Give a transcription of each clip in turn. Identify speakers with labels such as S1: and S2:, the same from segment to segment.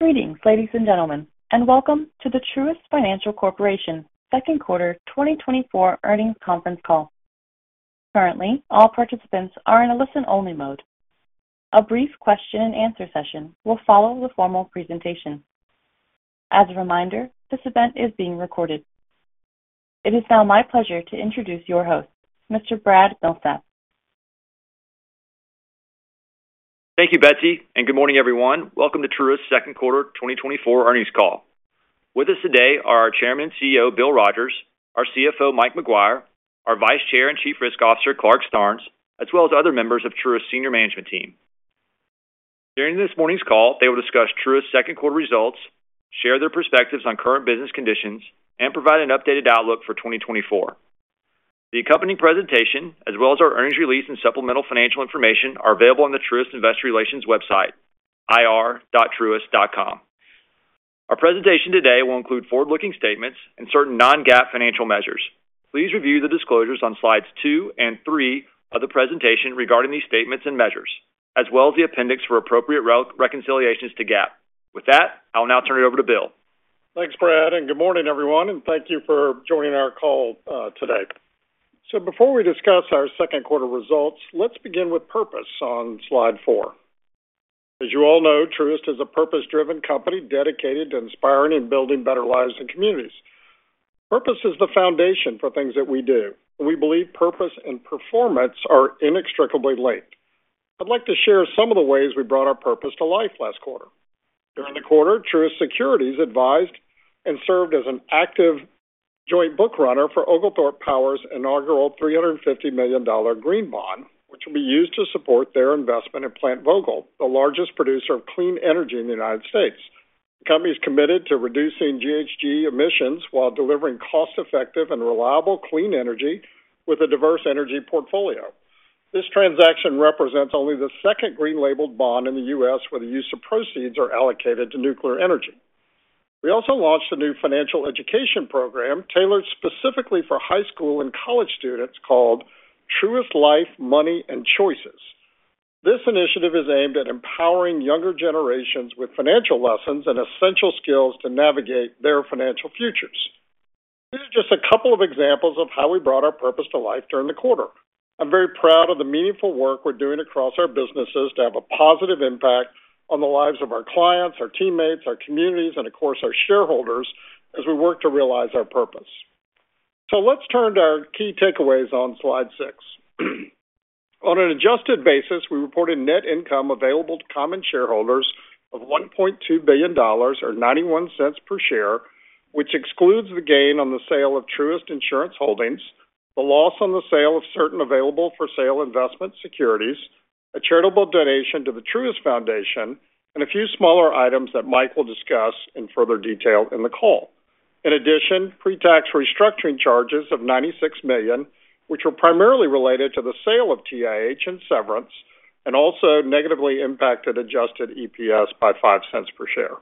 S1: Greetings, ladies and gentlemen, and welcome to the Truist Financial Corporation second quarter 2024 earnings conference call. Currently, all participants are in a listen-only mode. A brief question and answer session will follow the formal presentation. As a reminder, this event is being recorded. It is now my pleasure to introduce your host, Mr. Brad Milsaps.
S2: Thank you, Betsy, and good morning, everyone. Welcome to Truist's second quarter 2024 earnings call. With us today are our Chairman and CEO, Bill Rogers, our CFO, Mike Maguire, our Vice Chair and Chief Risk Officer, Clarke Starnes, as well as other members of Truist's senior management team. During this morning's call, they will discuss Truist's second quarter results, share their perspectives on current business conditions, and provide an updated outlook for 2024. The accompanying presentation, as well as our earnings release and supplemental financial information, are available on the Truist Investor Relations website, ir.truist.com. Our presentation today will include forward-looking statements and certain non-GAAP financial measures. Please review the disclosures on slides two and three of the presentation regarding these statements and measures, as well as the appendix for appropriate GAAP reconciliations. With that, I'll now turn it over to Bill.
S3: Thanks, Brad, and good morning, everyone, and thank you for joining our call, today. Before we discuss our second quarter results, let's begin with purpose on slide four. As you all know, Truist is a purpose-driven company dedicated to inspiring and building better lives and communities. Purpose is the foundation for things that we do. We believe purpose and performance are inextricably linked. I'd like to share some of the ways we brought our purpose to life last quarter. During the quarter, Truist Securities advised and served as an active joint bookrunner for Oglethorpe Power's inaugural $350 million green bond, which will be used to support their investment in Plant Vogtle, the largest producer of clean energy in the United States. The company is committed to reducing GHG emissions while delivering cost-effective and reliable clean energy with a diverse energy portfolio. This transaction represents only the second green-labeled bond in the U.S., where the use of proceeds are allocated to nuclear energy. We also launched a new financial education program tailored specifically for high school and college students called Truist Life, Money and Choices. This initiative is aimed at empowering younger generations with financial lessons and essential skills to navigate their financial futures. These are just a couple of examples of how we brought our purpose to life during the quarter. I'm very proud of the meaningful work we're doing across our businesses to have a positive impact on the lives of our clients, our teammates, our communities, and of course, our shareholders, as we work to realize our purpose. So let's turn to our key takeaways on slide six. On an adjusted basis, we reported net income available to common shareholders of $1.2 billion or $0.91 per share, which excludes the gain on the sale of Truist Insurance Holdings, the loss on the sale of certain available-for-sale investment securities, a charitable donation to the Truist Foundation, and a few smaller items that Mike will discuss in further detail in the call. In addition, pre-tax restructuring charges of $96 million, which were primarily related to the sale of TIH and severance, and also negatively impacted adjusted EPS by $0.05 per share.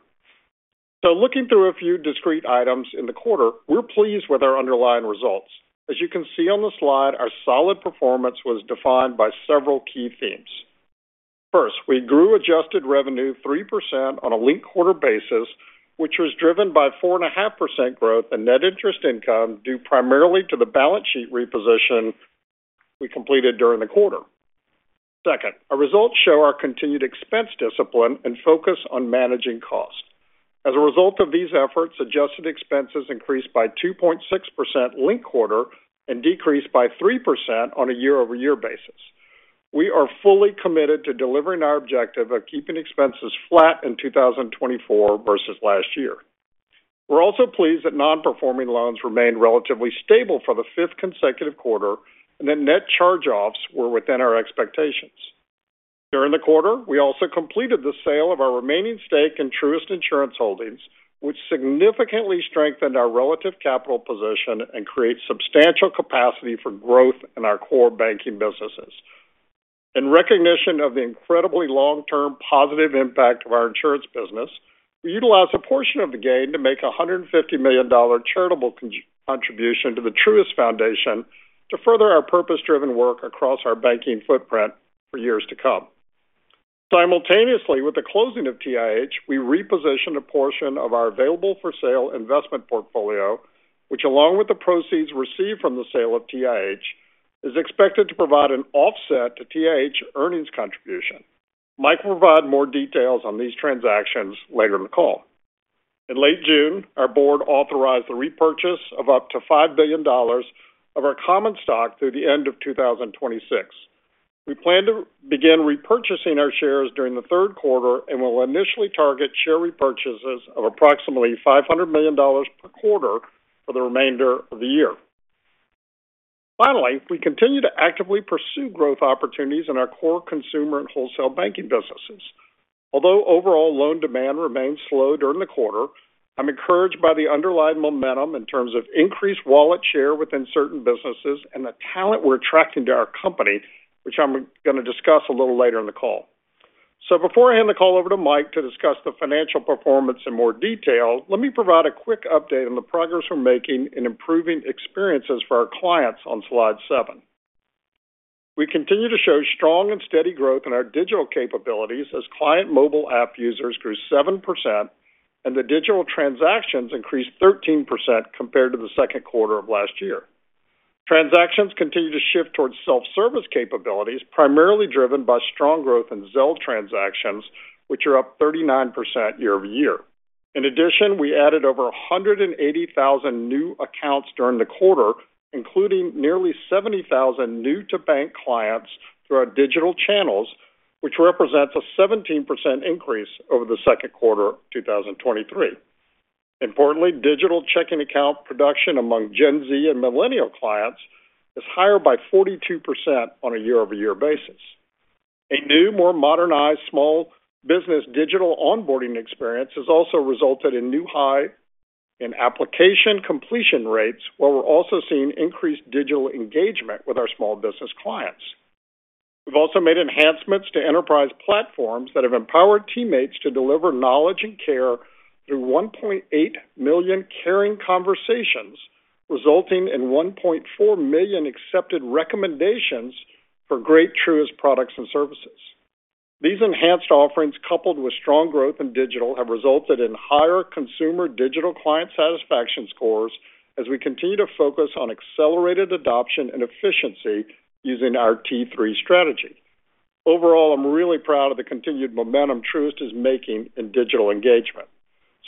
S3: So looking through a few discrete items in the quarter, we're pleased with our underlying results. As you can see on the slide, our solid performance was defined by several key themes. First, we grew adjusted revenue 3% on a linked-quarter basis, which was driven by 4.5% growth and net interest income, due primarily to the balance sheet reposition we completed during the quarter. Second, our results show our continued expense discipline and focus on managing cost. As a result of these efforts, adjusted expenses increased by 2.6% linked-quarter and decreased by 3% on a year-over-year basis. We are fully committed to delivering our objective of keeping expenses flat in 2024 versus last year. We're also pleased that non-performing loans remained relatively stable for the 5th consecutive quarter and that net charge-offs were within our expectations. During the quarter, we also completed the sale of our remaining stake in Truist Insurance Holdings, which significantly strengthened our relative capital position and creates substantial capacity for growth in our core banking businesses. In recognition of the incredibly long-term positive impact of our insurance business, we utilized a portion of the gain to make a $150 million charitable contribution to the Truist Foundation to further our purpose-driven work across our banking footprint for years to come. Simultaneously, with the closing of TIH, we repositioned a portion of our available-for-sale investment portfolio, which, along with the proceeds received from the sale of TIH, is expected to provide an offset to TIH earnings contribution. Mike will provide more details on these transactions later in the call. In late June, our board authorized the repurchase of up to $5 billion of our common stock through the end of 2026. We plan to begin repurchasing our shares during the third quarter and will initially target share repurchases of approximately $500 million per quarter for the remainder of the year. Finally, we continue to actively pursue growth opportunities in our core consumer and wholesale banking businesses. Although overall loan demand remained slow during the quarter, I'm encouraged by the underlying momentum in terms of increased wallet share within certain businesses and the talent we're attracting to our company, which I'm going to discuss a little later in the call. So before I hand the call over to Mike to discuss the financial performance in more detail, let me provide a quick update on the progress we're making in improving experiences for our clients on slide seven. We continue to show strong and steady growth in our digital capabilities as client mobile app users grew 7%, and the digital transactions increased 13% compared to the second quarter of last year. Transactions continue to shift towards self-service capabilities, primarily driven by strong growth in Zelle transactions, which are up 39% year-over-year. In addition, we added over 180,000 new accounts during the quarter, including nearly 70,000 new-to-bank clients through our digital channels, which represents a 17% increase over the second quarter of 2023. Importantly, digital checking account production among Gen Z and millennial clients is higher by 42% on a year-over-year basis. A new, more modernized small business digital onboarding experience has also resulted in new high in application completion rates, while we're also seeing increased digital engagement with our small business clients. We've also made enhancements to enterprise platforms that have empowered teammates to deliver knowledge and care through 1.8 million caring conversations, resulting in 1.4 million accepted recommendations for great Truist products and services. These enhanced offerings, coupled with strong growth in digital, have resulted in higher consumer digital client satisfaction scores as we continue to focus on accelerated adoption and efficiency using our T3 strategy. Overall, I'm really proud of the continued momentum Truist is making in digital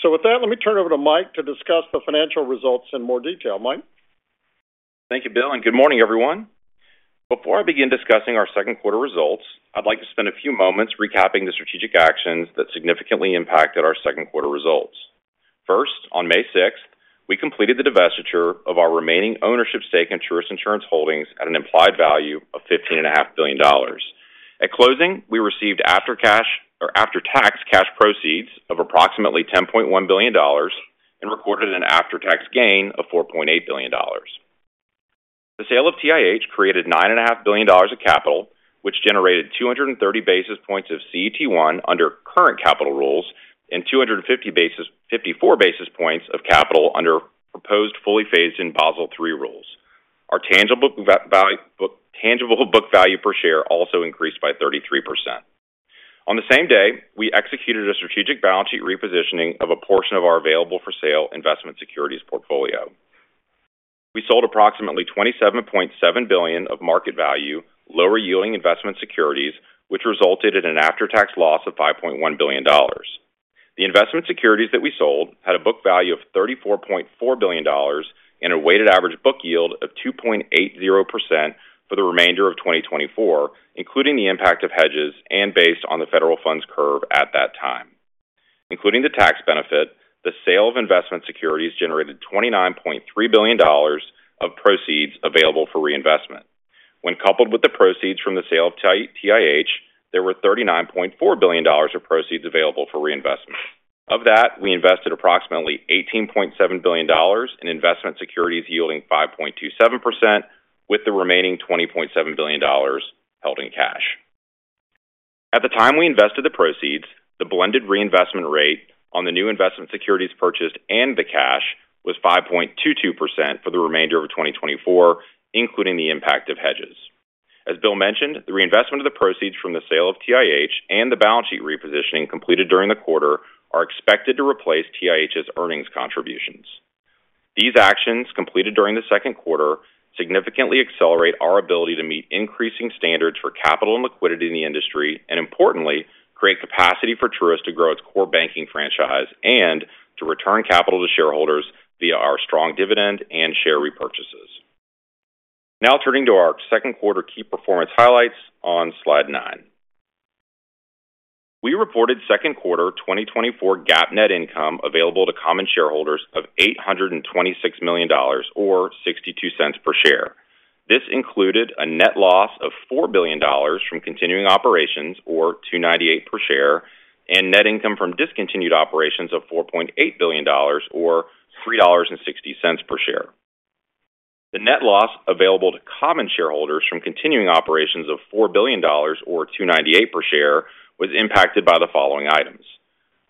S3: engagement. With that, let me turn it over to Mike to discuss the financial results in more detail. Mike?
S4: Thank you, Bill, and good morning, everyone. Before I begin discussing our second quarter results, I'd like to spend a few moments recapping the strategic actions that significantly impacted our second quarter results. First, on May sixth, we completed the divestiture of our remaining ownership stake in Truist Insurance Holdings at an implied value of $15.5 billion. At closing, we received after cash or after-tax cash proceeds of approximately $10.1 billion and recorded an after-tax gain of $4.8 billion. The sale of TIH created $9.5 billion of capital, which generated 230 basis points of CET1 under current capital rules and 254 basis points of capital under proposed fully phased-in Basel III rules. Our tangible book value per share also increased by 33%. On the same day, we executed a strategic balance sheet repositioning of a portion of our available-for-sale investment securities portfolio. We sold approximately $27.7 billion of market value, lower-yielding investment securities, which resulted in an after-tax loss of $5.1 billion. The investment securities that we sold had a book value of $34.4 billion and a weighted average book yield of 2.80% for the remainder of 2024, including the impact of hedges and based on the federal funds curve at that time. Including the tax benefit, the sale of investment securities generated $29.3 billion of proceeds available for reinvestment. When coupled with the proceeds from the sale of TIH, there were $39.4 billion of proceeds available for reinvestment. Of that, we invested approximately $18.7 billion in investment securities yielding 5.27%, with the remaining $20.7 billion held in cash. At the time we invested the proceeds, the blended reinvestment rate on the new investment securities purchased and the cash was 5.22% for the remainder of 2024, including the impact of hedges. As Bill mentioned, the reinvestment of the proceeds from the sale of TIH and the balance sheet repositioning completed during the quarter are expected to replace TIH's earnings contributions. These actions, completed during the second quarter, significantly accelerate our ability to meet increasing standards for capital and liquidity in the industry, and importantly, create capacity for Truist to grow its core banking franchise and to return capital to shareholders via our strong dividend and share repurchases. Now turning to our second quarter 2024 key performance highlights on slide nine. We reported second quarter 2024 GAAP net income available to common shareholders of $826 million or $0.62 per share. This included a net loss of $4 billion from continuing operations, or $2.98 per share, and net income from discontinued operations of $4.8 billion, or $3.60 per share. The net loss available to common shareholders from continuing operations of $4 billion, or $2.98 per share, was impacted by the following items: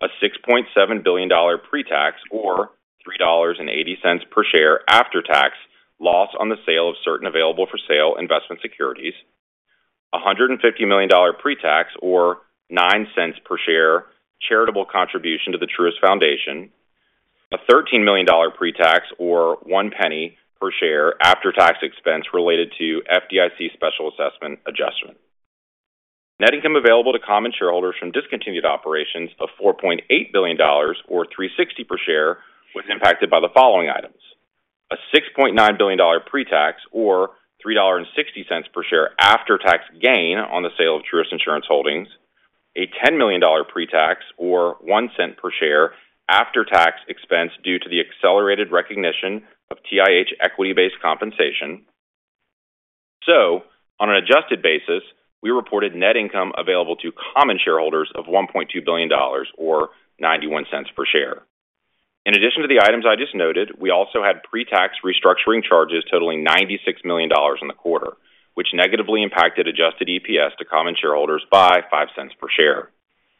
S4: a $6.7 billion pre-tax or $3.80 per share after-tax loss on the sale of certain available-for-sale investment securities, a $150 million pre-tax, or 9 cents per share charitable contribution to the Truist Foundation, a $13 million pre-tax, or 1 cent per share after-tax expense related to FDIC special assessment adjustment. Net income available to common shareholders from discontinued operations of $4.8 billion, or $3.60 per share, was impacted by the following items: a $6.9 billion pre-tax or $3.60 per share after-tax gain on the sale of Truist Insurance Holdings, a $10 million pre-tax or $0.01 per share after-tax expense due to the accelerated recognition of TIH equity-based compensation. So on an adjusted basis, we reported net income available to common shareholders of $1.2 billion or $0.91 per share. In addition to the items I just noted, we also had pre-tax restructuring charges totaling $96 million in the quarter, which negatively impacted adjusted EPS to common shareholders by $0.05 per share.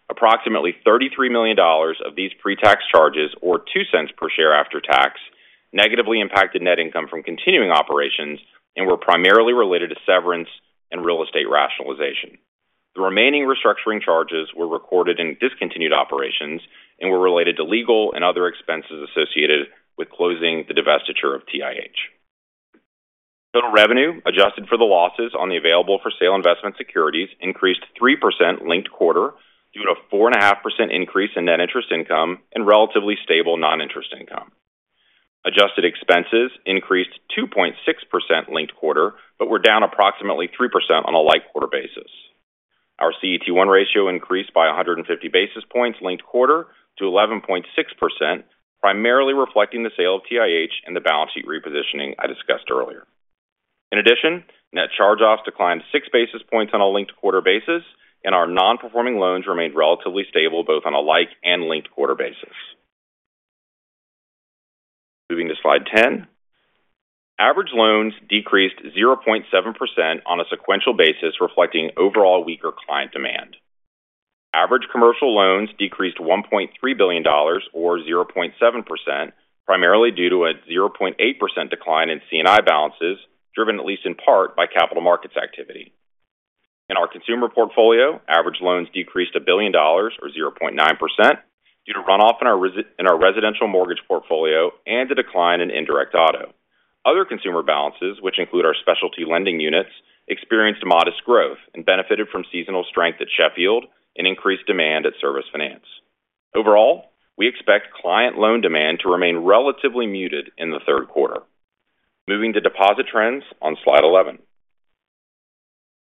S4: approximately $33 million of these pre-tax charges, or $0.02 per share after tax, negatively impacted net income from continuing operations and were primarily related to severance and real estate rationalization. The remaining restructuring charges were recorded in discontinued operations and were related to legal and other expenses associated with closing the divestiture of TIH. Total revenue, adjusted for the losses on the available-for-sale investment securities, increased 3% linked quarter due to a 4.5% increase in net interest income and relatively stable non-interest income. Adjusted expenses increased 2.6% linked quarter, but were down approximately 3% on a like quarter basis. Our CET1 ratio increased by 150 basis points linked quarter to 11.6%, primarily reflecting the sale of TIH and the balance sheet repositioning I discussed earlier. In addition, net charge-offs declined 6 basis points on a linked-quarter basis, and our non-performing loans remained relatively stable, both on a like and linked-quarter basis. Moving to slide 10. Average loans decreased 0.7% on a sequential basis, reflecting overall weaker client demand. Average commercial loans decreased $1.3 billion, or 0.7%, primarily due to a 0.8% decline in C&I balances, driven at least in part by capital markets activity. In our consumer portfolio, average loans decreased $1 billion or 0.9% due to runoff in our residential mortgage portfolio and a decline in indirect auto. Other consumer balances, which include our specialty lending units, experienced modest growth and benefited from seasonal strength at Sheffield and increased demand at Service Finance. Overall, we expect client loan demand to remain relatively muted in the third quarter. Moving to deposit trends on slide 11.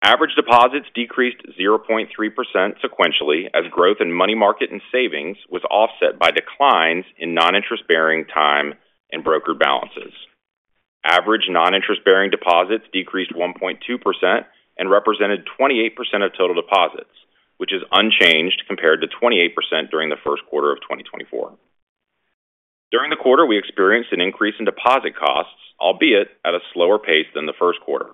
S4: Average deposits decreased 0.3% sequentially, as growth in money market and savings was offset by declines in non-interest-bearing time and broker balances. Average non-interest-bearing deposits decreased 1.2% and represented 28% of total deposits, which is unchanged compared to 28% during the first quarter of 2024. During the quarter, we experienced an increase in deposit costs, albeit at a slower pace than the first quarter.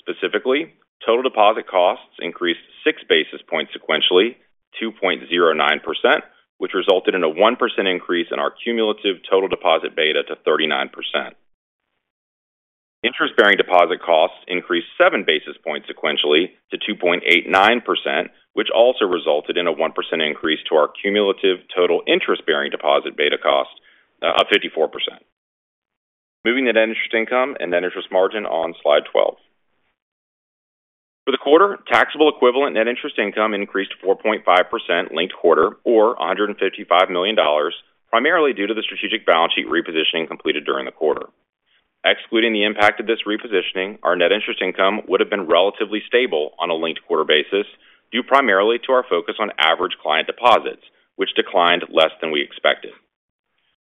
S4: Specifically, total deposit costs increased six basis points sequentially to 2.09%, which resulted in a 1% increase in our cumulative total deposit beta to 39%. Interest-bearing deposit costs increased 7 basis points sequentially to 2.89%, which also resulted in a 1% increase to our cumulative total interest-bearing deposit beta cost of 54%. Moving to net interest income and net interest margin on slide 12. For the quarter, taxable-equivalent net interest income increased 4.5% linked-quarter or $155 million, primarily due to the strategic balance sheet repositioning completed during the quarter. Excluding the impact of this repositioning, our net interest income would have been relatively stable on a linked-quarter basis, due primarily to our focus on average client deposits, which declined less than we expected.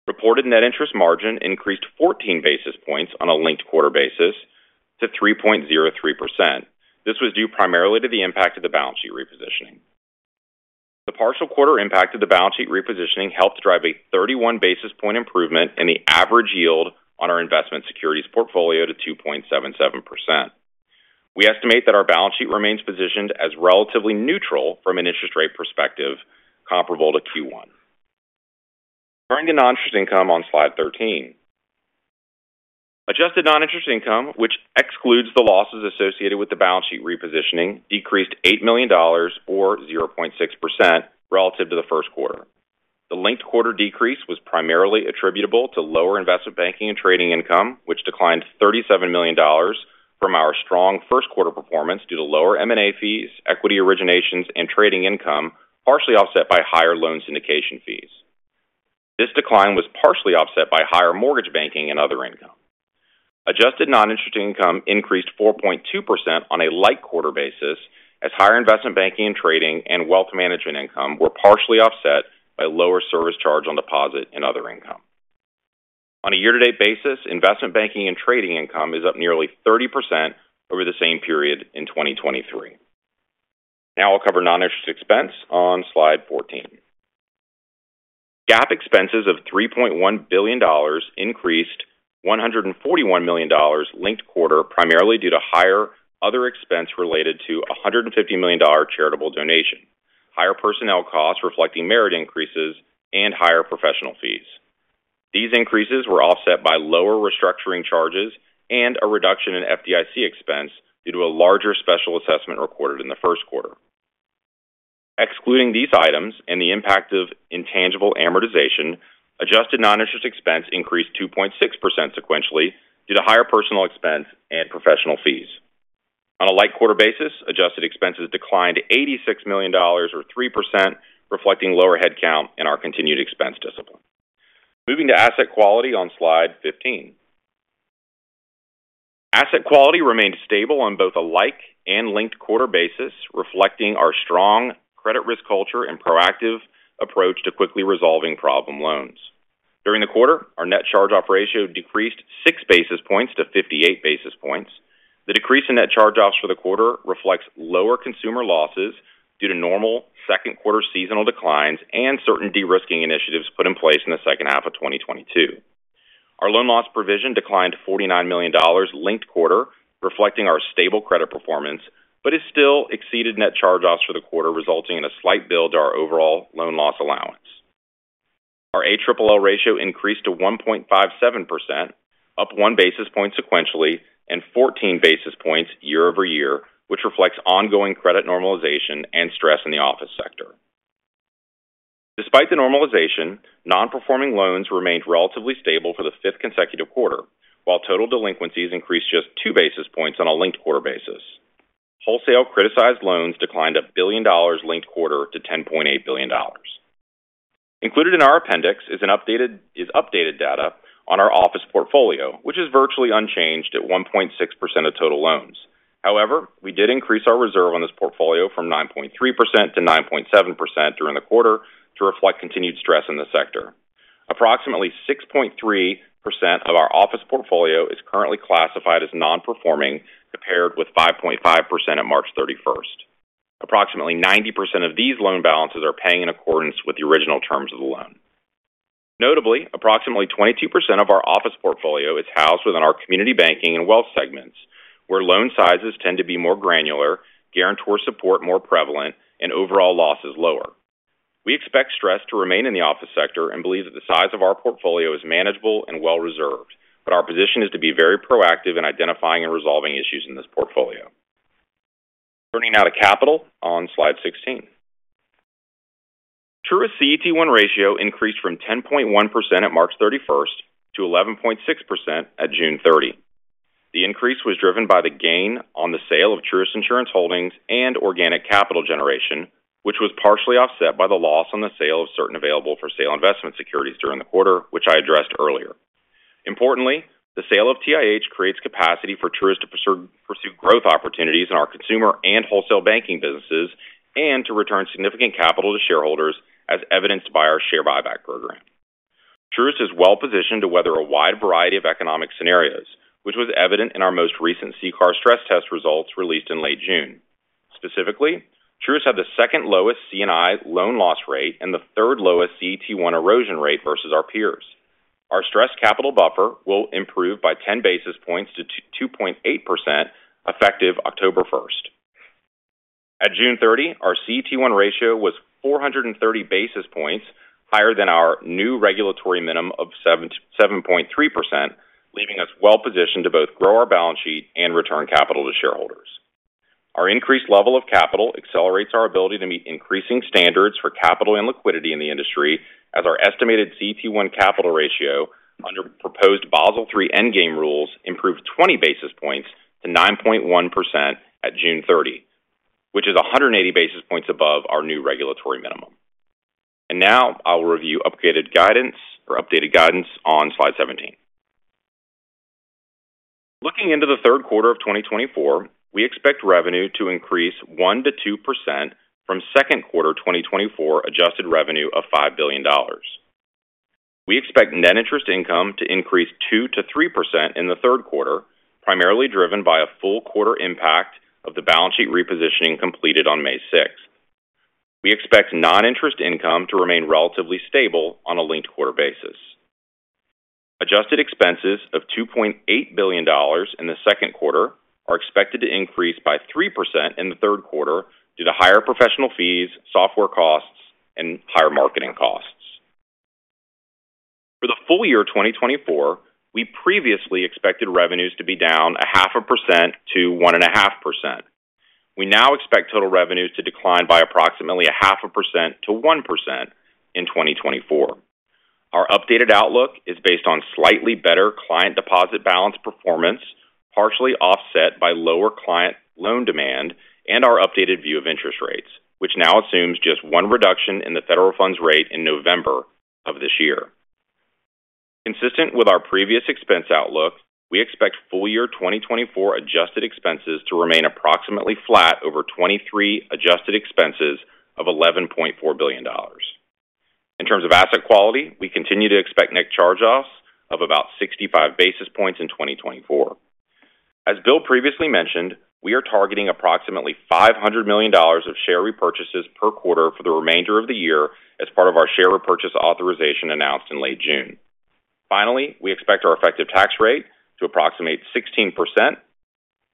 S4: Reported net interest margin increased 14 basis points on a linked-quarter basis to 3.03%. This was due primarily to the impact of the balance sheet repositioning. The partial quarter impact of the balance sheet repositioning helped drive a 31 basis point improvement in the average yield on our investment securities portfolio to 2.77%. We estimate that our balance sheet remains positioned as relatively neutral from an interest rate perspective, comparable to Q1. Turning to non-interest income on slide 13. Adjusted non-interest income, which excludes the losses associated with the balance sheet repositioning, decreased $8 million or 0.6% relative to the first quarter. The linked quarter decrease was primarily attributable to lower investment banking and trading income, which declined $37 million from our strong first quarter performance due to lower M&A fees, equity originations, and trading income, partially offset by higher loan syndication fees. This decline was partially offset by higher mortgage banking and other income. Adjusted non-interest income increased 4.2% on a linked quarter basis, as higher investment banking and trading and wealth management income were partially offset by lower service charge on deposit and other income. On a year-to-date basis, investment banking and trading income is up nearly 30% over the same period in 2023. Now I'll cover non-interest expense on slide 14. GAAP expenses of $3.1 billion increased $141 million linked quarter, primarily due to higher other expense related to a $150 million charitable donation, higher personnel costs reflecting merit increases, and higher professional fees. These increases were offset by lower restructuring charges and a reduction in FDIC expense due to a larger special assessment recorded in the first quarter. Excluding these items and the impact of intangible amortization, adjusted non-interest expense increased 2.6% sequentially due to higher personnel expense and professional fees. On a linked quarter basis, adjusted expenses declined $86 million or 3%, reflecting lower headcount and our continued expense discipline. Moving to asset quality on slide 15. Asset quality remained stable on both a like and linked quarter basis, reflecting our strong credit risk culture and proactive approach to quickly resolving problem loans. During the quarter, our net charge-off ratio decreased 6 basis points to 58 basis points. The decrease in net charge-offs for the quarter reflects lower consumer losses due to normal second quarter seasonal declines and certain de-risking initiatives put in place in the second half of 2022. Our loan loss provision declined to $49 million linked quarter, reflecting our stable credit performance, but it still exceeded net charge-offs for the quarter, resulting in a slight build to our overall loan loss allowance. Our ALLL ratio increased to 1.57%, up 1 basis point sequentially and 14 basis points year-over-year, which reflects ongoing credit normalization and stress in the office sector. Despite the normalization, non-performing loans remained relatively stable for the fifth consecutive quarter, while total delinquencies increased just 2 basis points on a linked quarter basis. Wholesale criticized loans declined $1 billion linked quarter to $10.8 billion. Included in our appendix is updated data on our office portfolio, which is virtually unchanged at 1.6% of total loans. However, we did increase our reserve on this portfolio from 9.3%-9.7% during the quarter to reflect continued stress in the sector. Approximately 6.3% of our office portfolio is currently classified as non-performing, compared with 5.5% on March 31. Approximately 90% of these loan balances are paying in accordance with the original terms of the loan. Notably, approximately 22% of our office portfolio is housed within our community banking and wealth segments, where loan sizes tend to be more granular, guarantor support more prevalent, and overall losses lower. We expect stress to remain in the office sector and believe that the size of our portfolio is manageable and well reserved, but our position is to be very proactive in identifying and resolving issues in this portfolio. Turning now to capital on slide 16. Truist CET1 ratio increased from 10.1% at March 31 to 11.6% at June 30. The increase was driven by the gain on the sale of Truist Insurance Holdings and organic capital generation, which was partially offset by the loss on the sale of certain available-for-sale investment securities during the quarter, which I addressed earlier. Importantly, the sale of TIH creates capacity for Truist to pursue, pursue growth opportunities in our consumer and wholesale banking businesses and to return significant capital to shareholders, as evidenced by our share buyback program. Truist is well positioned to weather a wide variety of economic scenarios, which was evident in our most recent CCAR stress test results released in late June. Specifically, Truist had the second lowest C&I loan loss rate and the third lowest CET1 erosion rate versus our peers. Our stress capital buffer will improve by 10 basis points to 2.8%, effective October first. At June 30, our CET1 ratio was 430 basis points higher than our new regulatory minimum of 7.3%, leaving us well positioned to both grow our balance sheet and return capital to shareholders. Our increased level of capital accelerates our ability to meet increasing standards for capital and liquidity in the industry, as our estimated CET1 capital ratio under proposed Basel III Endgame rules improved 20 basis points to 9.1% at June 30, which is 180 basis points above our new regulatory minimum. Now I'll review upgraded guidance or updated guidance on slide 17. Looking into the third quarter of 2024, we expect revenue to increase 1%-2% from second quarter 2024 adjusted revenue of $5 billion. We expect net interest income to increase 2%-3% in the third quarter, primarily driven by a full quarter impact of the balance sheet repositioning completed on May 6. We expect non-interest income to remain relatively stable on a linked quarter basis. Adjusted expenses of $2.8 billion in the second quarter are expected to increase by 3% in the third quarter due to higher professional fees, software costs, and higher marketing costs. For the full year 2024, we previously expected revenues to be down 0.5%-1.5%. We now expect total revenues to decline by approximately 0.5%-1% in 2024. Our updated outlook is based on slightly better client deposit balance performance, partially offset by lower client loan demand and our updated view of interest rates, which now assumes just one reduction in the federal funds rate in November of this year. Consistent with our previous expense outlook, we expect full year 2024 adjusted expenses to remain approximately flat over 2023 adjusted expenses of $11.4 billion. In terms of asset quality, we continue to expect net charge-offs of about 65 basis points in 2024. As Bill previously mentioned, we are targeting approximately $500 million of share repurchases per quarter for the remainder of the year as part of our share repurchase authorization announced in late June. Finally, we expect our effective tax rate to approximate 16%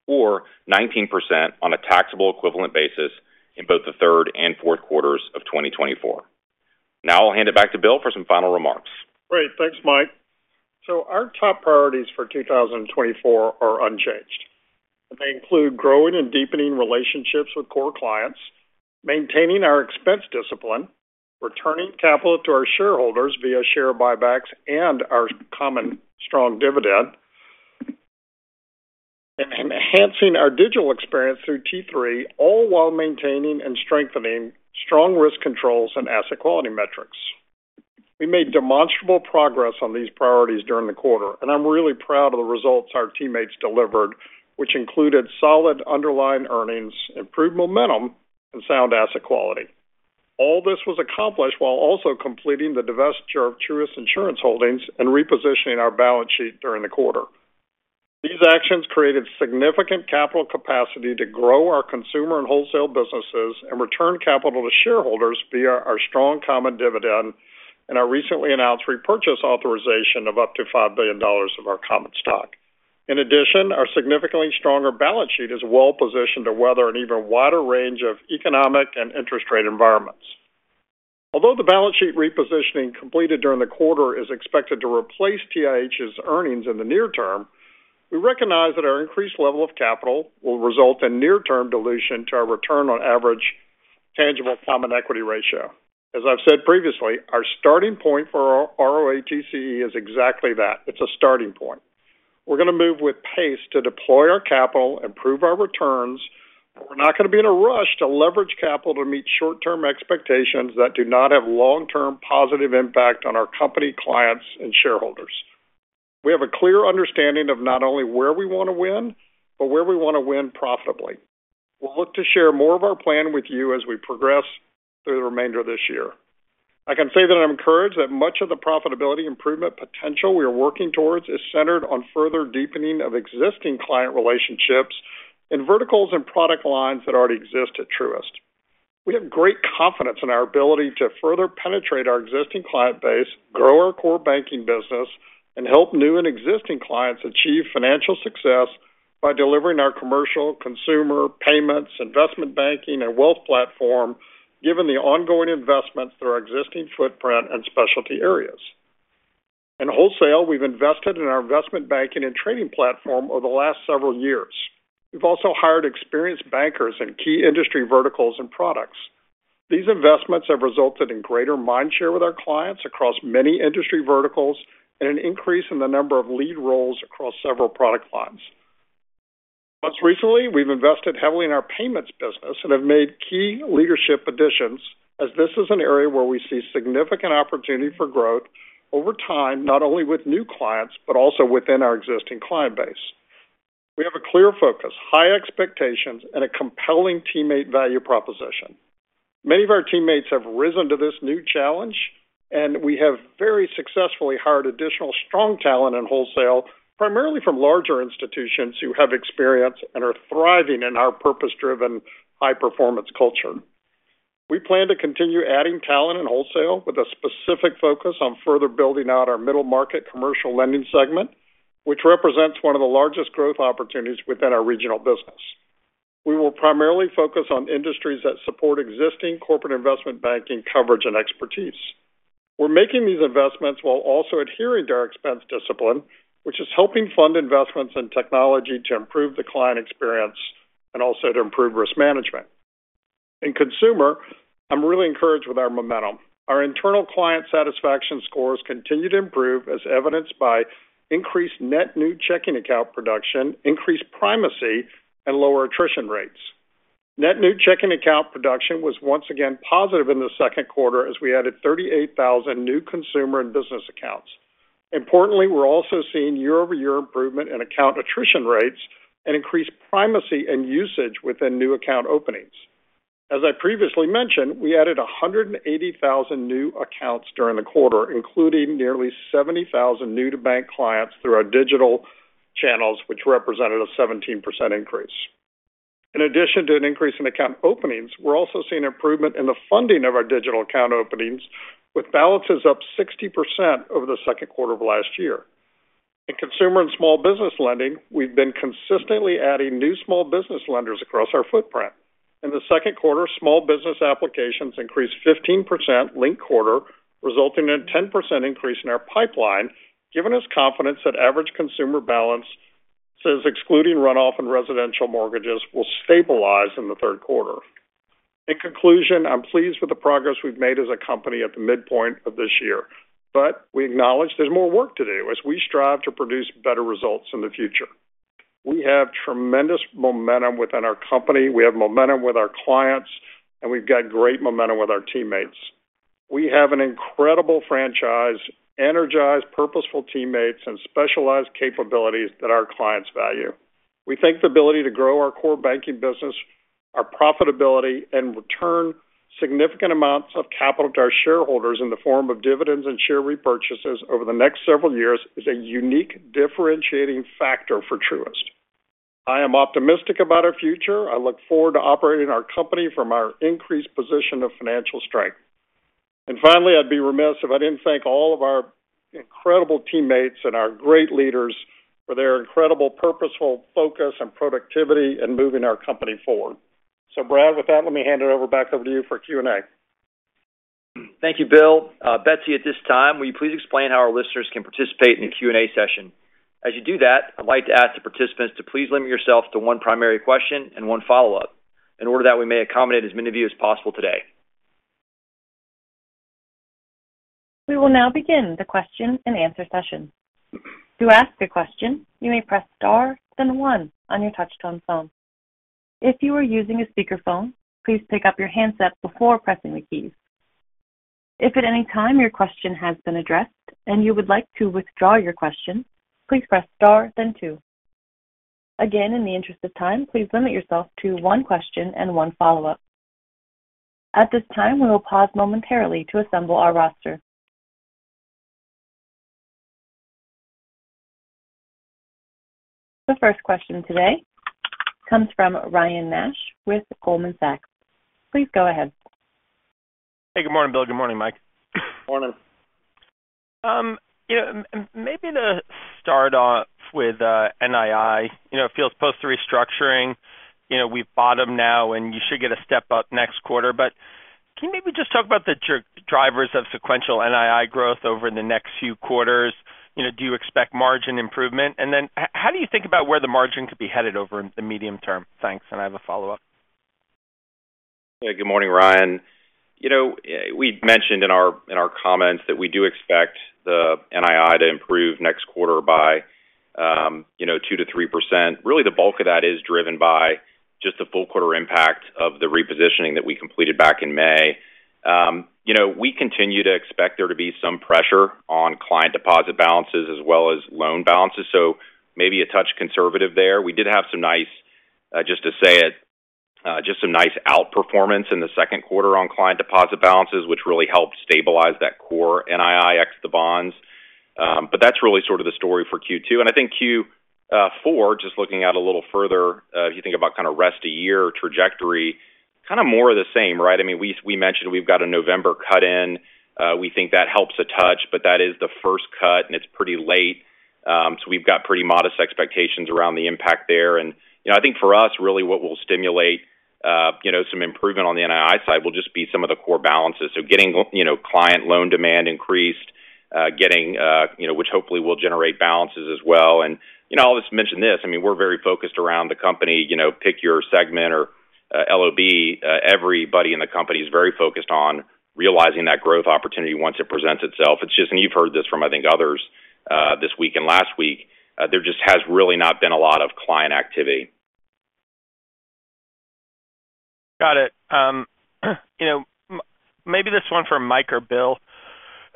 S4: or 19% on a taxable equivalent basis in both the third and fourth quarters of 2024. Now I'll hand it back to Bill for some final remarks.
S3: Great. Thanks, Mike. So our top priorities for 2024 are unchanged. They include growing and deepening relationships with core clients, maintaining our expense discipline, returning capital to our shareholders via share buybacks and our common strong dividend, and enhancing our digital experience through T3, all while maintaining and strengthening strong risk controls and asset quality metrics. We made demonstrable progress on these priorities during the quarter, and I'm really proud of the results our teammates delivered, which included solid underlying earnings, improved momentum, and sound asset quality. All this was accomplished while also completing the divestiture of Truist Insurance Holdings and repositioning our balance sheet during the quarter.... These actions created significant capital capacity to grow our consumer and wholesale businesses and return capital to shareholders via our strong common dividend and our recently announced repurchase authorization of up to $5 billion of our common stock. In addition, our significantly stronger balance sheet is well positioned to weather an even wider range of economic and interest rate environments. Although the balance sheet repositioning completed during the quarter is expected to replace TIH's earnings in the near term, we recognize that our increased level of capital will result in near-term dilution to our return on average tangible common equity ratio. As I've said previously, our starting point for our ROATCE is exactly that. It's a starting point. We're going to move with pace to deploy our capital, improve our returns, but we're not going to be in a rush to leverage capital to meet short-term expectations that do not have long-term positive impact on our company, clients, and shareholders. We have a clear understanding of not only where we want to win, but where we want to win profitably. We'll look to share more of our plan with you as we progress through the remainder of this year. I can say that I'm encouraged that much of the profitability improvement potential we are working towards is centered on further deepening of existing client relationships in verticals and product lines that already exist at Truist. We have great confidence in our ability to further penetrate our existing client base, grow our core banking business, and help new and existing clients achieve financial success by delivering our commercial, consumer, payments, investment banking, and wealth platform, given the ongoing investments through our existing footprint and specialty areas. In wholesale, we've invested in our investment banking and trading platform over the last several years. We've also hired experienced bankers in key industry verticals and products. These investments have resulted in greater mind share with our clients across many industry verticals and an increase in the number of lead roles across several product lines. Most recently, we've invested heavily in our payments business and have made key leadership additions, as this is an area where we see significant opportunity for growth over time, not only with new clients, but also within our existing client base. We have a clear focus, high expectations, and a compelling teammate value proposition. Many of our teammates have risen to this new challenge, and we have very successfully hired additional strong talent in wholesale, primarily from larger institutions who have experience and are thriving in our purpose-driven, high-performance culture. We plan to continue adding talent in wholesale with a specific focus on further building out our middle market commercial lending segment, which represents one of the largest growth opportunities within our regional business. We will primarily focus on industries that support existing corporate investment banking coverage and expertise. We're making these investments while also adhering to our expense discipline, which is helping fund investments in technology to improve the client experience and also to improve risk management. In consumer, I'm really encouraged with our momentum. Our internal client satisfaction scores continue to improve, as evidenced by increased net new checking account production, increased primacy, and lower attrition rates. Net new checking account production was once again positive in the second quarter as we added 38,000 new consumer and business accounts. Importantly, we're also seeing year-over-year improvement in account attrition rates and increased primacy and usage within new account openings. As I previously mentioned, we added 180,000 new accounts during the quarter, including nearly 70,000 new-to-bank clients through our digital channels, which represented a 17% increase. In addition to an increase in account openings, we're also seeing improvement in the funding of our digital account openings, with balances up 60% over the second quarter of last year. In consumer and small business lending, we've been consistently adding new small business lenders across our footprint. In the second quarter, small business applications increased 15% linked quarter, resulting in a 10% increase in our pipeline, giving us confidence that average consumer balances excluding runoff and residential mortgages will stabilize in the third quarter. In conclusion, I'm pleased with the progress we've made as a company at the midpoint of this year, but we acknowledge there's more work to do as we strive to produce better results in the future. We have tremendous momentum within our company, we have momentum with our clients, and we've got great momentum with our teammates. We have an incredible franchise, energized, purposeful teammates, and specialized capabilities that our clients value. We think the ability to grow our core banking business, our profitability, and return significant amounts of capital to our shareholders in the form of dividends and share repurchases over the next several years is a unique differentiating factor for Truist. I am optimistic about our future. I look forward to operating our company from our increased position of financial strength. Finally, I'd be remiss if I didn't thank all of our incredible teammates and our great leaders for their incredible purposeful focus and productivity in moving our company forward. Brad, with that, let me hand it over, back over to you for Q&A.
S2: Thank you, Bill. Betsy, at this time, will you please explain how our listeners can participate in the Q&A session? As you do that, I'd like to ask the participants to please limit yourself to one primary question and one follow-up, in order that we may accommodate as many of you as possible today.
S1: We will now begin the question-and-answer session. To ask a question, you may press star, then one on your touch-tone phone. If you are using a speakerphone, please pick up your handset before pressing the keys. If at any time your question has been addressed and you would like to withdraw your question, please press star, then two. Again, in the interest of time, please limit yourself to one question and one follow-up.... At this time, we will pause momentarily to assemble our roster. The first question today comes from Ryan Nash with Goldman Sachs. Please go ahead.
S5: Hey, good morning, Bill. Good morning, Mike.
S3: Morning.
S5: You know, maybe to start off with, NII. You know, it feels post the restructuring, you know, we've bottomed now, and you should get a step up next quarter. But can you maybe just talk about the drivers of sequential NII growth over the next few quarters? You know, do you expect margin improvement? And then how do you think about where the margin could be headed over the medium term? Thanks, and I have a follow-up.
S3: Yeah. Good morning, Ryan. You know, we mentioned in our comments that we do expect the NII to improve next quarter by, you know, 2%-3%. Really, the bulk of that is driven by just the full quarter impact of the repositioning that we completed back in May. You know, we continue to expect there to be some pressure on client deposit balances as well as loan balances, so maybe a touch conservative there. We did have some nice, just to say it, just some nice outperformance in the second quarter on client deposit balances, which really helped stabilize that core NII ex the bonds. But that's really sort of the story for Q2. I think Q4, just looking out a little further, if you think about kind of rest of year trajectory, kind of more of the same, right? I mean, we mentioned we've got a November cut in. We think that helps a touch, but that is the first cut, and it's pretty late. So we've got pretty modest expectations around the impact there. You know, I think for us, really what will stimulate, you know, some improvement on the NII side will just be some of the core balances. So getting, you know, client loan demand increased, getting, you know, which hopefully will generate balances as well. You know, I'll just mention this, I mean, we're very focused around the company, you know, pick your segment or, LOB. Everybody in the company is very focused on realizing that growth opportunity once it presents itself. It's just, and you've heard this from, I think, others, this week and last week, there just has really not been a lot of client activity.
S5: Got it. You know, maybe this one for Mike or Bill,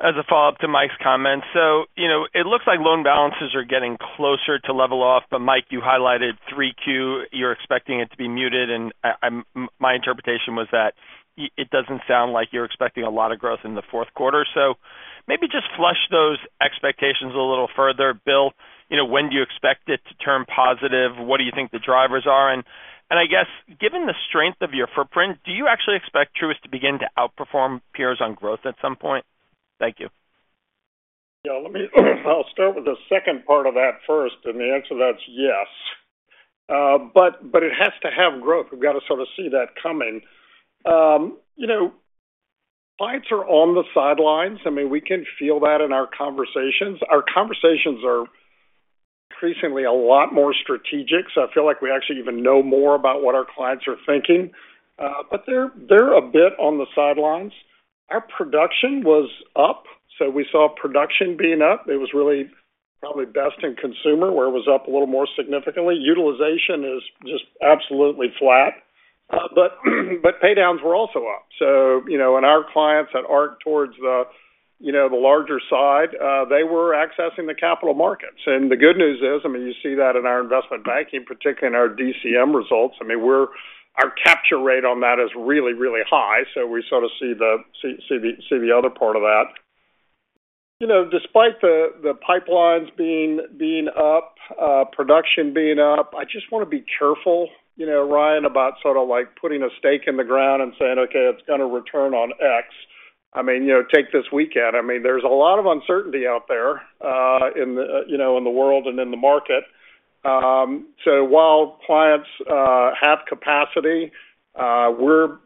S5: as a follow-up to Mike's comments. So, you know, it looks like loan balances are getting closer to level off, but Mike, you highlighted 3Q, you're expecting it to be muted, and I'm, my interpretation was that it doesn't sound like you're expecting a lot of growth in the fourth quarter. So maybe just flush those expectations a little further. Bill, you know, when do you expect it to turn positive? What do you think the drivers are? And I guess, given the strength of your footprint, do you actually expect Truist to begin to outperform peers on growth at some point? Thank you.
S3: Yeah, let me, I'll start with the second part of that first, and the answer to that's yes. But, but it has to have growth. We've got to sort of see that coming. You know, clients are on the sidelines. I mean, we can feel that in our conversations. Our conversations are increasingly a lot more strategic, so I feel like we actually even know more about what our clients are thinking. But they're, they're a bit on the sidelines. Our production was up, so we saw production being up. It was really probably best in consumer, where it was up a little more significantly. Utilization is just absolutely flat. But, but paydowns were also up. So, you know, and our clients that arc towards the, you know, the larger side, they were accessing the capital markets. The good news is, I mean, you see that in our investment banking, particularly in our DCM results. I mean, we're our capture rate on that is really, really high, so we sort of see the other part of that. You know, despite the pipelines being up, production being up, I just want to be careful, you know, Ryan, about sort of like putting a stake in the ground and saying, "Okay, it's going to return on X." I mean, you know, take this weekend. I mean, there's a lot of uncertainty out there in the world and in the market. So while clients have capacity, we're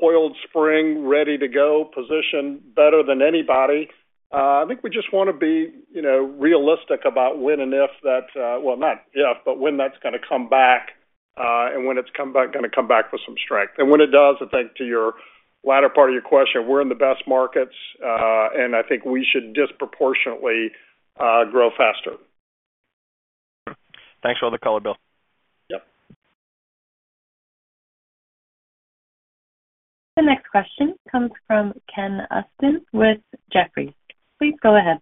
S3: coiled spring, ready to go, positioned better than anybody. I think we just want to be, you know, realistic about when and if that, well, not if, but when that's going to come back, and when it's gonna come back with some strength. And when it does, I think to your latter part of your question, we're in the best markets, and I think we should disproportionately grow faster.
S5: Thanks for all the color, Bill.
S3: Yep.
S1: The next question comes from Ken Usdin with Jefferies. Please go ahead.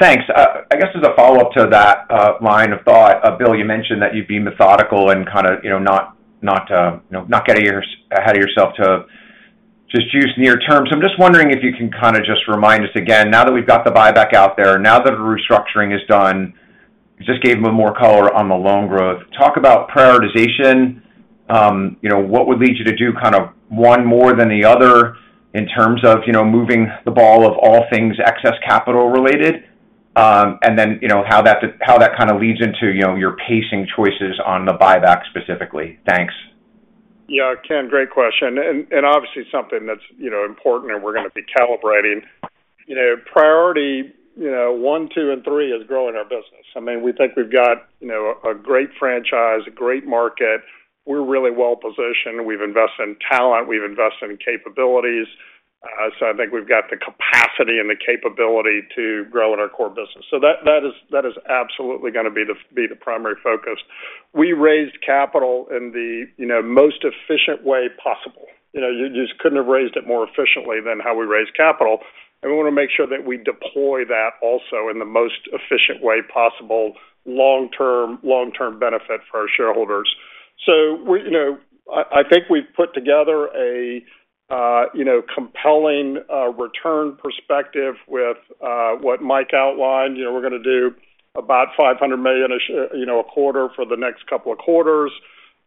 S6: Thanks. I guess as a follow-up to that line of thought, Bill, you mentioned that you'd be methodical and kind of, you know, not getting ahead of yourself to just use near term. So I'm just wondering if you can kind of just remind us again, now that we've got the buyback out there, now that the restructuring is done, just give us more color on the loan growth. Talk about prioritization. You know, what would lead you to do kind of one more than the other in terms of, you know, moving the ball on all things excess capital related? And then, you know, how that kind of leads into your pacing choices on the buyback specifically. Thanks.
S3: Yeah, Ken, great question, and obviously something that's, you know, important, and we're going to be calibrating. You know, priority one, two, and three is growing our business. I mean, we think we've got, you know, a great franchise, a great market. We're really well positioned. We've invested in talent, we've invested in capabilities. So I think we've got the capacity and the capability to grow in our core business. So that is absolutely going to be the primary focus. We raised capital in the, you know, most efficient way possible. You know, you just couldn't have raised it more efficiently than how we raised capital, and we want to make sure that we deploy that also in the most efficient way possible, long-term, long-term benefit for our shareholders.... So we, you know, I, I think we've put together a, you know, compelling, return perspective with, what Mike outlined. You know, we're gonna do about $500 million a quarter for the next couple of quarters.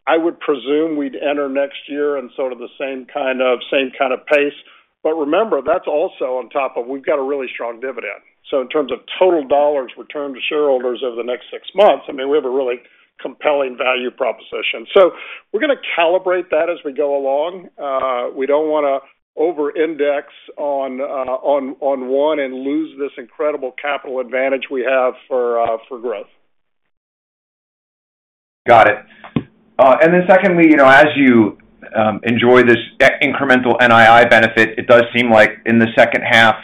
S3: I would presume we'd enter next year in sort of the same kind of, same kind of pace. But remember, that's also on top of we've got a really strong dividend. So in terms of total dollars returned to shareholders over the next six months, I mean, we have a really compelling value proposition. So we're gonna calibrate that as we go along. We don't wanna over-index on, on, on one and lose this incredible capital advantage we have for, for growth.
S6: Got it. And then secondly, you know, as you enjoy this incremental NII benefit, it does seem like in the second half,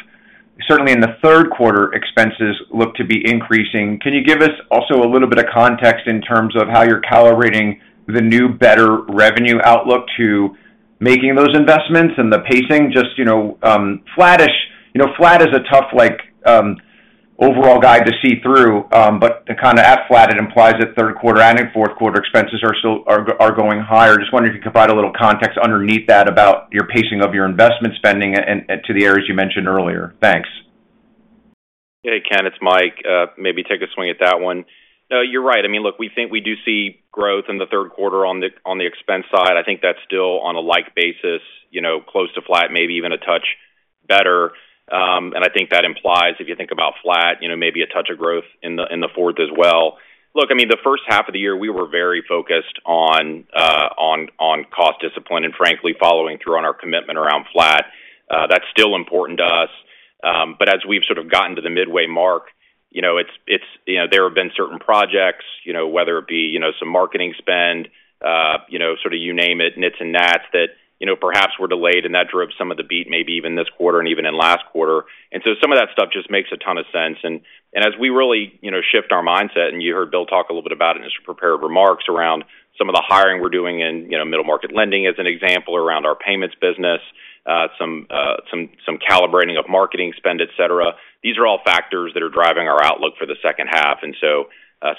S6: certainly in the third quarter, expenses look to be increasing. Can you give us also a little bit of context in terms of how you're calibrating the new, better revenue outlook to making those investments and the pacing? Just, you know, flattish. You know, flat is a tough, like, overall guide to see through, but to kind of at flat, it implies that third quarter and in fourth quarter expenses are still are going higher. Just wondering if you could provide a little context underneath that about your pacing of your investment spending and to the areas you mentioned earlier. Thanks.
S4: Hey, Ken, it's Mike. Maybe take a swing at that one. No, you're right. I mean, look, we think we do see growth in the third quarter on the, on the expense side. I think that's still on a like basis, you know, close to flat, maybe even a touch better. And I think that implies, if you think about flat, you know, maybe a touch of growth in the, in the fourth as well. Look, I mean, the first half of the year, we were very focused on, on cost discipline, and frankly, following through on our commitment around flat. That's still important to us. But as we've sort of gotten to the midway mark, you know, it's, it's, you know, there have been certain projects, you know, whether it be you know, some marketing spend, you know, sort of you name it, nits and knats that, you know, perhaps were delayed, and that drove some of the beat, maybe even this quarter and even in last quarter. And so some of that stuff just makes a ton of sense. And, and as we really, you know, shift our mindset, and you heard Bill talk a little bit about it in his prepared remarks around some of the hiring we're doing in, you know, middle market lending as an example, around our payments business, some, some, some calibrating of marketing spend, et cetera. These are all factors that are driving our outlook for the second half. So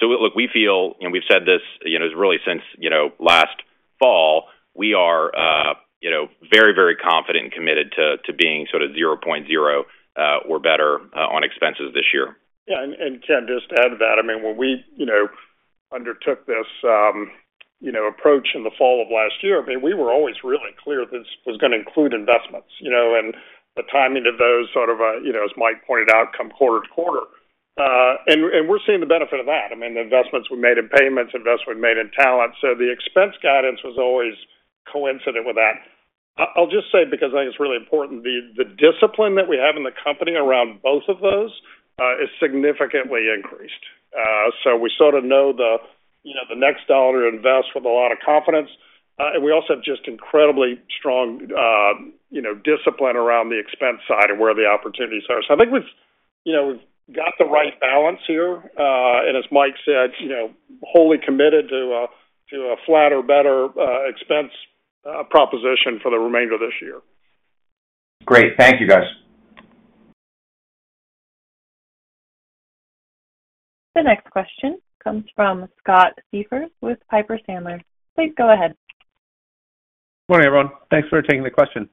S4: look, we feel, and we've said this, you know, really since, you know, last fall, we are, you know, very, very confident and committed to being sort of 0.0 or better on expenses this year.
S3: Yeah, Ken, just to add to that, I mean, when we, you know, undertook this, you know, approach in the fall of last year, I mean, we were always really clear this was gonna include investments, you know, and the timing of those sort of, you know, as Mike pointed out, come quarter to quarter. And we're seeing the benefit of that. I mean, the investments we made in payments, investments we made in talent. So the expense guidance was always coincident with that. I'll just say, because I think it's really important, the discipline that we have in the company around both of those is significantly increased. So we sort of know the, you know, the next dollar to invest with a lot of confidence. We also have just incredibly strong, you know, discipline around the expense side and where the opportunities are. So I think we've, you know, we've got the right balance here. And as Mike said, you know, wholly committed to a flat or better expense proposition for the remainder of this year.
S6: Great. Thank you, guys.
S1: The next question comes from Scott Siefers with Piper Sandler. Please go ahead.
S7: Morning, everyone. Thanks for taking the question.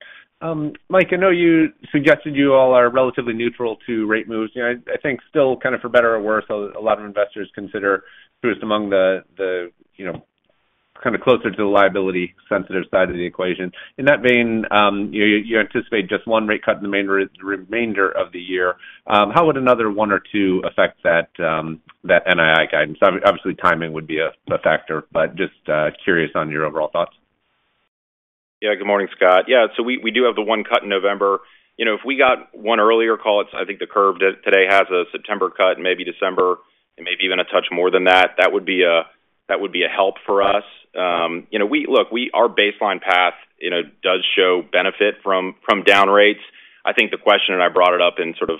S7: Mike, I know you suggested you all are relatively neutral to rate moves. You know, I think still kind of for better or worse, a lot of investors consider through us among the, the, you know, kind of closer to the liability sensitive side of the equation. In that vein, you anticipate just one rate cut in the main remainder of the year. How would another one or two affect that NII guidance? Obviously, timing would be a factor, but just curious on your overall thoughts.
S4: Yeah. Good morning, Scott. Yeah, so we do have the one cut in November. You know, if we got one earlier call, it's I think the curve today has a September cut, maybe December, and maybe even a touch more than that. That would be a help for us. You know, we look, our baseline path, you know, does show benefit from down rates. I think the question, and I brought it up in sort of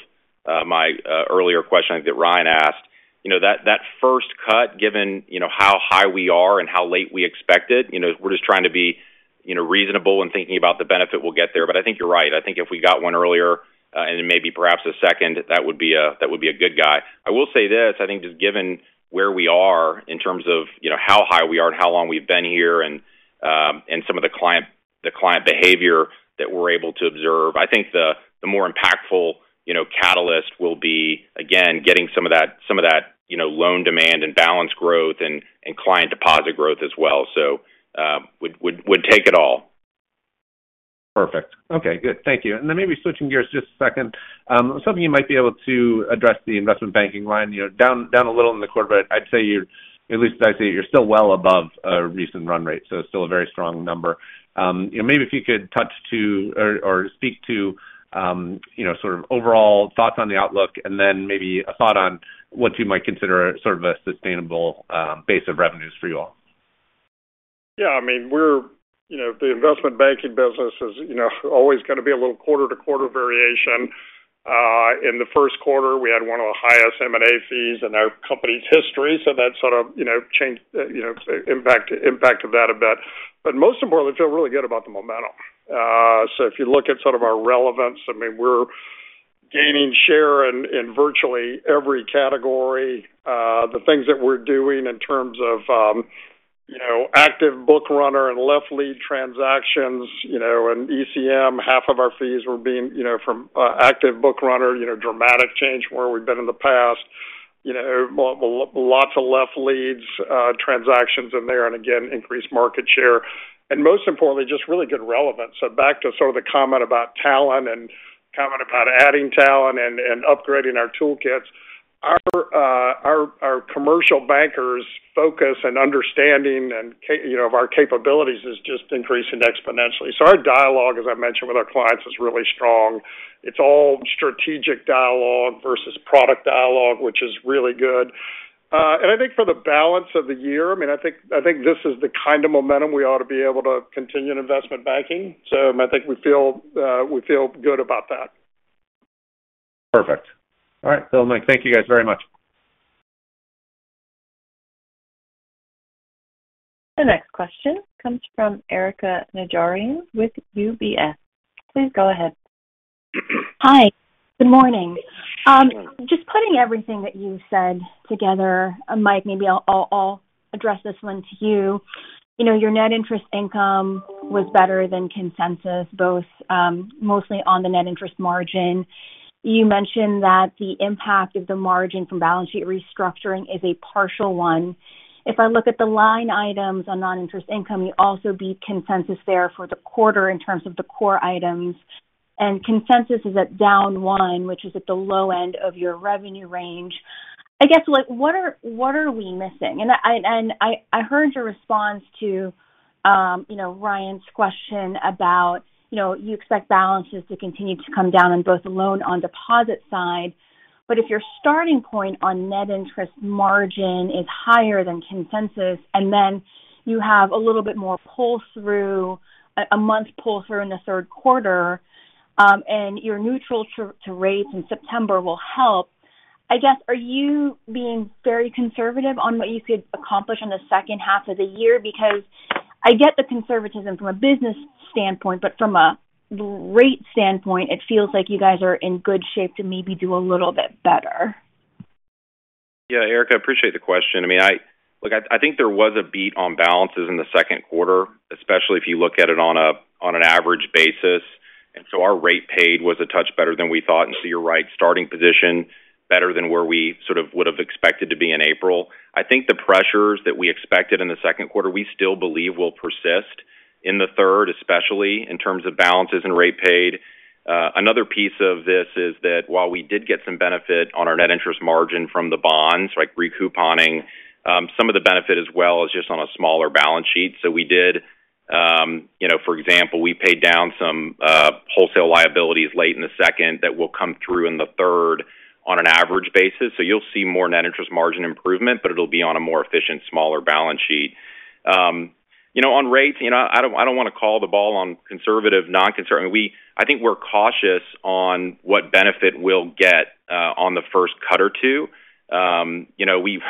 S4: my earlier question that Ryan asked, you know, that first cut, given, you know, how high we are and how late we expect it, you know, we're just trying to be reasonable in thinking about the benefit we'll get there. But I think you're right. I think if we got one earlier, and then maybe perhaps a second, that would be a, that would be a good guy. I will say this, I think just given where we are in terms of, you know, how high we are and how long we've been here, and, and some of the client, the client behavior that we're able to observe, I think the, the more impactful, you know, catalyst will be, again, getting some of that, some of that, you know, loan demand and balance growth and, and client deposit growth as well. So, would, would, we'd take it all.
S7: Perfect. Okay, good. Thank you. And then maybe switching gears just a second. Something you might be able to address the investment banking line, you know, down, down a little in the quarter, but I'd say you're, at least I'd say you're still well above our recent run rate, so it's still a very strong number. You know, maybe if you could touch to or, or speak to, you know, sort of overall thoughts on the outlook and then maybe a thought on what you might consider sort of a sustainable base of revenues for you all.
S3: Yeah, I mean, we're, you know, the investment banking business is, you know, always gonna be a little quarter-to-quarter variation. In the first quarter, we had one of the highest M&A fees in our company's history, so that sort of, you know, changed the impact of that a bit. But most importantly, feel really good about the momentum. So if you look at sort of our relevance, I mean, we're gaining share in virtually every category. The things that we're doing in terms of, you know, active bookrunner and left lead transactions, you know, and ECM, half of our fees were being, you know, from active bookrunner, you know, dramatic change from where we've been in the past. You know, lots of left leads transactions in there, and again, increased market share. Most importantly, just really good relevance. So back to sort of the comment about talent and comment about adding talent and upgrading our toolkits. Our commercial bankers' focus and understanding, you know, of our capabilities is just increasing exponentially. So our dialogue, as I mentioned, with our clients, is really strong. It's all strategic dialogue versus product dialogue, which is really good. And I think for the balance of the year, I mean, I think this is the kind of momentum we ought to be able to continue in investment banking. So I think we feel, we feel good about that.
S4: Perfect. All right. Bill, Mike, thank you guys very much.
S1: The next question comes from Erika Najarian with UBS. Please go ahead.
S8: Hi, good morning. Just putting everything that you said together, Mike, maybe I'll address this one to you. You know, your net interest income was better than consensus, both mostly on the net interest margin. You mentioned that the impact of the margin from balance sheet restructuring is a partial one. If I look at the line items on non-interest income, you also beat consensus there for the quarter in terms of the core items, and consensus is at down one, which is at the low end of your revenue range. I guess, like, what are we missing? And I heard your response to, you know, Ryan's question about, you know, you expect balances to continue to come down on both the loan and deposit side. But if your starting point on net interest margin is higher than consensus, and then you have a little bit more pull through, a month pull through in the third quarter, and you're neutral to rates in September will help. I guess, are you being very conservative on what you could accomplish in the second half of the year? Because I get the conservatism from a business standpoint, but from a rate standpoint, it feels like you guys are in good shape to maybe do a little bit better.
S4: Yeah, Erika, I appreciate the question. I mean, look, I think there was a beat on balances in the second quarter, especially if you look at it on an average basis. And so our rate paid was a touch better than we thought. And so you're right, starting position, better than where we sort of would have expected to be in April. I think the pressures that we expected in the second quarter, we still believe will persist in the third, especially in terms of balances and rate paid. Another piece of this is that while we did get some benefit on our net interest margin from the bonds, like re-couponing, some of the benefit as well is just on a smaller balance sheet. So we did, you know, for example, we paid down some wholesale liabilities late in the second that will come through in the third on an average basis. So you'll see more net interest margin improvement, but it'll be on a more efficient, smaller balance sheet. You know, on rates, you know, I don't, I don't wanna call the ball on conservative, non-conservative. We, I think we're cautious on what benefit we'll get on the first cut or two. You know, we've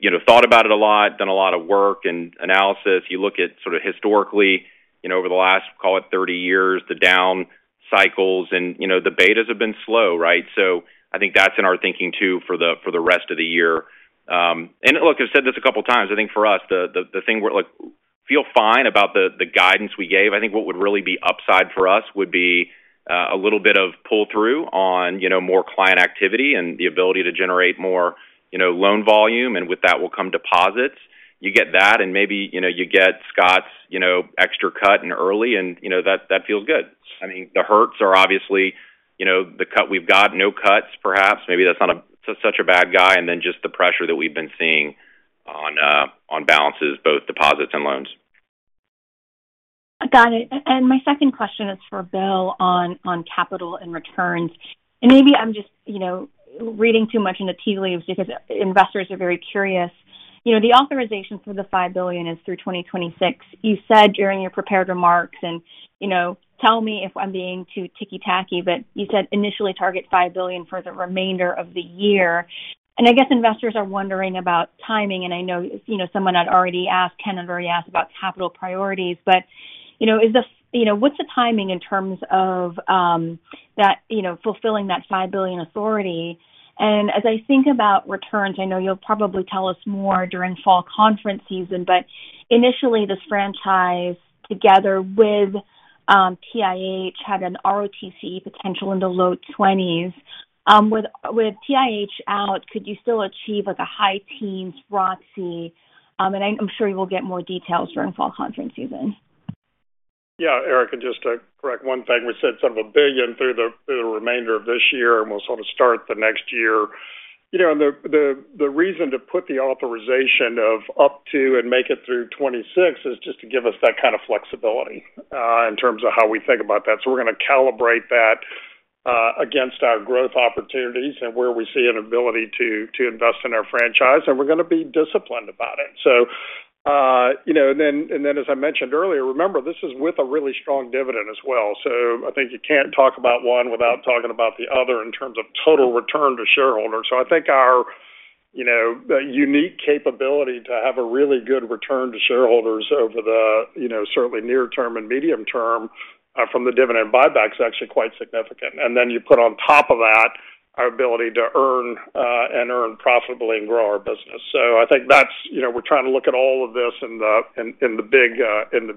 S4: you know, thought about it a lot, done a lot of work and analysis. You look at sort of historically, you know, over the last, call it 30 years, the down cycles and, you know, the betas have been slow, right? So I think that's in our thinking, too, for the, for the rest of the year. And look, I've said this a couple of times. I think for us, the thing we feel fine about the guidance we gave. I think what would really be upside for us would be a little bit of pull-through on, you know, more client activity and the ability to generate more, you know, loan volume, and with that will come deposits. You get that, and maybe, you know, you get Scott's, you know, extra cut in early, and, you know, that feels good. I mean, the hurts are obviously, you know, the cut we've got, no cuts, perhaps. Maybe that's not such a bad guy, and then just the pressure that we've been seeing on balances, both deposits and loans.
S8: Got it. And my second question is for Bill on capital and returns. And maybe I'm just, you know, reading too much in the tea leaves because investors are very curious. You know, the authorization for the $5 billion is through 2026. You said during your prepared remarks, and, you know, tell me if I'm being too ticky-tacky, but you said initially target $5 billion for the remainder of the year. And I guess investors are wondering about timing, and I know, you know, someone had already asked, Ken had already asked about capital priorities. But, you know, is the, you know, what's the timing in terms of that, you know, fulfilling that $5 billion authority? As I think about returns, I know you'll probably tell us more during fall conference season, but initially, this franchise, together with TIH, had an ROTCE potential in the low twenties. With TIH out, could you still achieve, like, a high teens ROTCE? And I'm sure we'll get more details during fall conference season.
S3: Yeah, Erika, just to correct one thing. We said sort of $1 billion through the remainder of this year, and we'll sort of start the next year. You know, and the reason to put the authorization of up to and make it through 2026 is just to give us that kind of flexibility in terms of how we think about that. So we're gonna calibrate that against our growth opportunities and where we see an ability to invest in our franchise, and we're gonna be disciplined about it. So, you know, and then as I mentioned earlier, remember, this is with a really strong dividend as well. So I think you can't talk about one without talking about the other in terms of total return to shareholders. So I think our-... You know, the unique capability to have a really good return to shareholders over the, you know, certainly near term and medium term, from the dividend buyback is actually quite significant. And then you put on top of that our ability to earn, and earn profitably and grow our business. So I think that's, you know, we're trying to look at all of this in the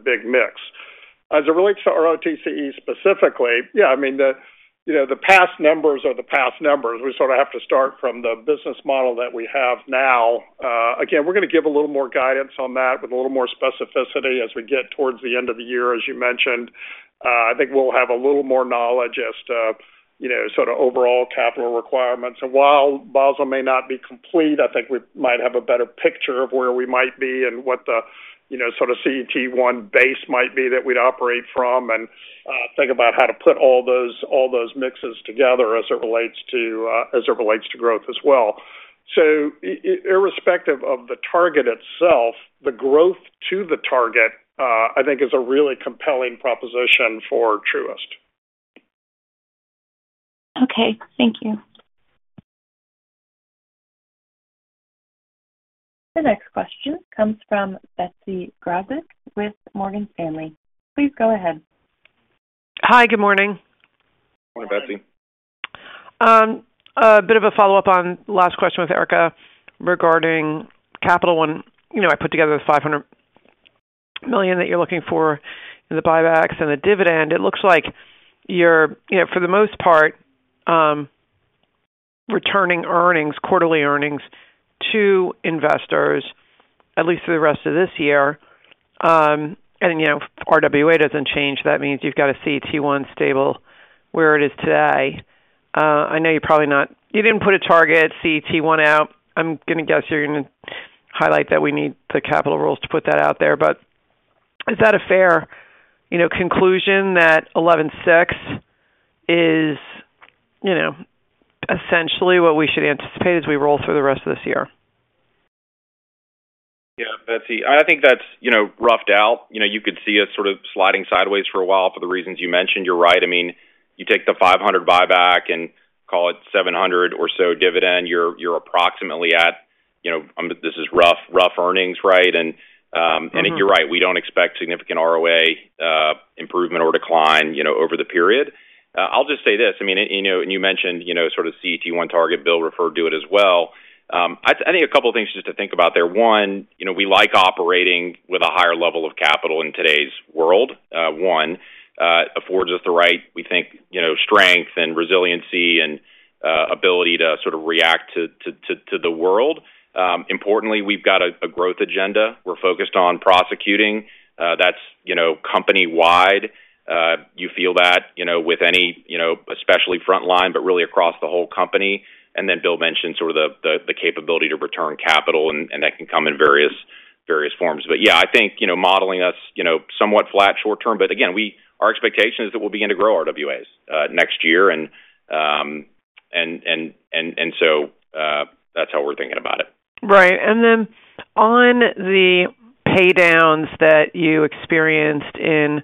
S3: big mix. As it relates to ROTCE specifically, yeah, I mean, the, you know, the past numbers are the past numbers. We sort of have to start from the business model that we have now. Again, we're gonna give a little more guidance on that with a little more specificity as we get towards the end of the year, as you mentioned. I think we'll have a little more knowledge as to, you know, sort of overall capital requirements. And while Basel may not be complete, I think we might have a better picture of where we might be and what the, you know, sort of CET1 base might be that we'd operate from and think about how to put all those, all those mixes together as it relates to as it relates to growth as well. So irrespective of the target itself, the growth to the target, I think is a really compelling proposition for Truist.
S8: Okay, thank you.
S1: The next question comes from Betsy Graseck with Morgan Stanley. Please go ahead.
S9: Hi, good morning.
S4: Good morning, Betsy.
S9: A bit of a follow-up on last question with Erika regarding capital. You know, I put together the $500 million that you're looking for in the buybacks and the dividend. It looks like you're, you know, for the most part, returning earnings, quarterly earnings to investors, at least for the rest of this year. And, you know, RWA doesn't change. That means you've got a CET1 stable where it is today. I know you're probably not. You didn't put a target CET1 out. I'm gonna guess you're gonna highlight that we need the capital rules to put that out there. But is that a fair, you know, conclusion that 11.6 is, you know, essentially what we should anticipate as we roll through the rest of this year?
S4: Yeah, Betsy, I think that's, you know, roughed out. You know, you could see us sort of sliding sideways for a while for the reasons you mentioned. You're right. I mean, you take the $500 buyback and call it $700 or so dividend, you're approximately at, you know, this is rough, rough earnings, right?
S9: Mm-hmm.
S4: And you're right, we don't expect significant ROA improvement or decline, you know, over the period. I'll just say this: I mean, you mentioned, you know, sort of CET1 target, Bill referred to it as well. I think a couple of things just to think about there. One, you know, we like operating with a higher level of capital in today's world. One affords us the right, we think, you know, strength and resiliency and ability to sort of react to the world. Importantly, we've got a growth agenda. We're focused on prosecuting, that's, you know, company-wide. You feel that, you know, with any, you know, especially frontline, but really across the whole company. And then Bill mentioned sort of the capability to return capital, and that can come in various forms. But yeah, I think, you know, modeling us, you know, somewhat flat short term, but again, our expectation is that we'll begin to grow RWAs next year. And so, that's how we're thinking about it.
S9: Right. And then on the paydowns that you experienced in,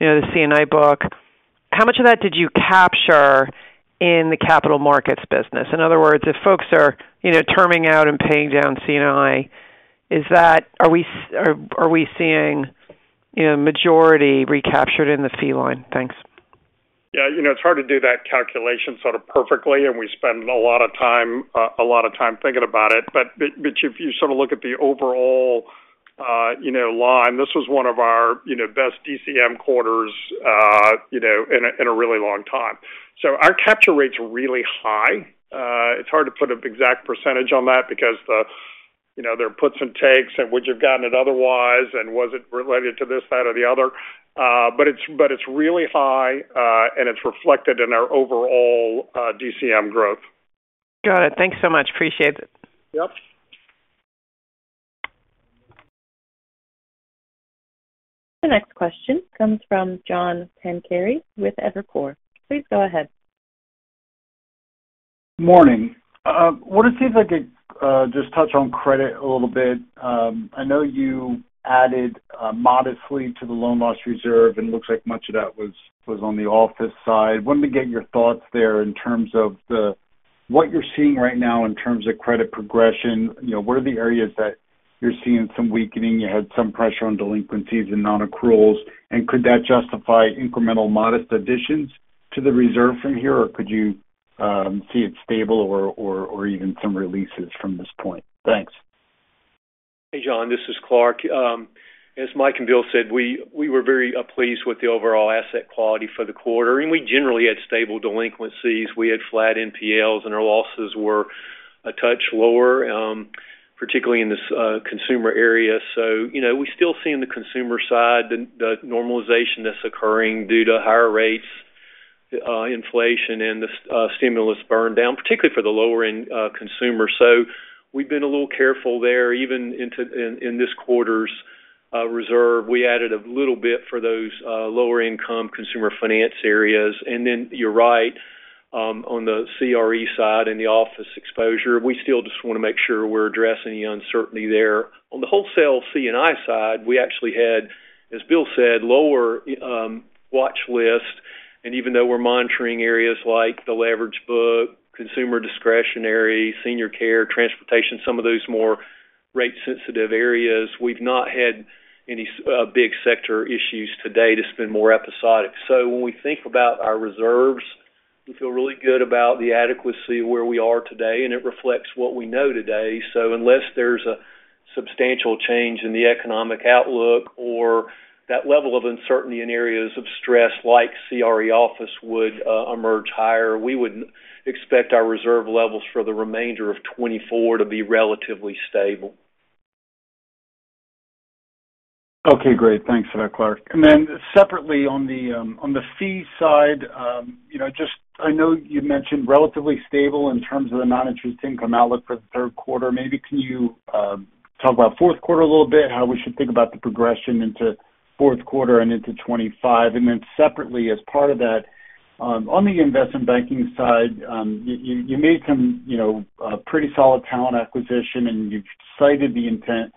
S9: you know, the C&I book, how much of that did you capture in the capital markets business? In other words, if folks are, you know, terming out and paying down C&I, is that, are we seeing, you know, majority recaptured in the fee line? Thanks.
S3: Yeah, you know, it's hard to do that calculation sort of perfectly, and we spend a lot of time thinking about it. But if you sort of look at the overall, you know, line, this was one of our best DCM quarters, you know, in a really long time. So our capture rates are really high. It's hard to put an exact percentage on that because, you know, there are puts and takes and would you have gotten it otherwise, and was it related to this, that, or the other? But it's really high, and it's reflected in our overall DCM growth.
S9: Got it. Thanks so much. Appreciate it.
S3: Yep.
S1: The next question comes from John Pancari with Evercore. Please go ahead.
S10: Morning. I wanted to see if I could just touch on credit a little bit. I know you added modestly to the loan loss reserve, and it looks like much of that was on the office side. Wanted to get your thoughts there in terms of what you're seeing right now in terms of credit progression. You know, what are the areas that you're seeing some weakening? You had some pressure on delinquencies and non-accruals, and could that justify incremental modest additions to the reserve from here? Or could you see it stable or even some releases from this point? Thanks.
S11: Hey, John, this is Clarke. As Mike and Bill said, we, we were very, pleased with the overall asset quality for the quarter, and we generally had stable delinquencies. We had flat NPLs, and our losses were a touch lower, particularly in this, consumer area. So, you know, we still see in the consumer side the, the normalization that's occurring due to higher rates, inflation, and the stimulus burn down, particularly for the lower-end, consumer. So we've been a little careful there. Even in, in this quarter's, reserve, we added a little bit for those, lower income consumer finance areas. And then you're right, on the CRE side and the office exposure, we still just want to make sure we're addressing the uncertainty there. On the wholesale C&I side, we actually had, as Bill said, lower, watchlist, and even though we're monitoring areas like the leverage book, consumer discretionary, senior care, transportation, some of those more rate-sensitive areas, we've not had any, big sector issues today to spend more episodic. So when we think about our reserves, we feel really good about the adequacy of where we are today, and it reflects what we know today. So unless there's a substantial change in the economic outlook or that level of uncertainty in areas of stress like CRE office would emerge higher, we would expect our reserve levels for the remainder of 2024 to be relatively stable.
S10: Okay, great. Thanks for that, Clarke. And then separately, on the fee side, you know, just I know you mentioned relatively stable in terms of the non-interest income outlook for the third quarter. Maybe can you talk about fourth quarter a little bit, how we should think about the progression into fourth quarter and into 2025? And then separately, as part of that, on the investment banking side, you made some, you know, a pretty solid talent acquisition, and you've cited the intent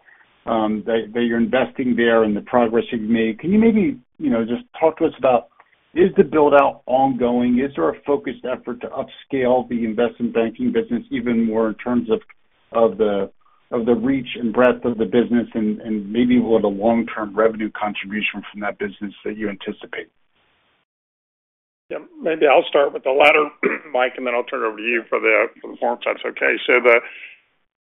S10: that you're investing there and the progress you've made. Can you maybe, you know, just talk to us about, is the build-out ongoing? Is there a focused effort to upscale the investment banking business even more in terms of the reach and breadth of the business and maybe what the long-term revenue contribution from that business that you anticipate?
S3: Yeah, maybe I'll start with the latter, Mike, and then I'll turn it over to you for the former, if that's okay. So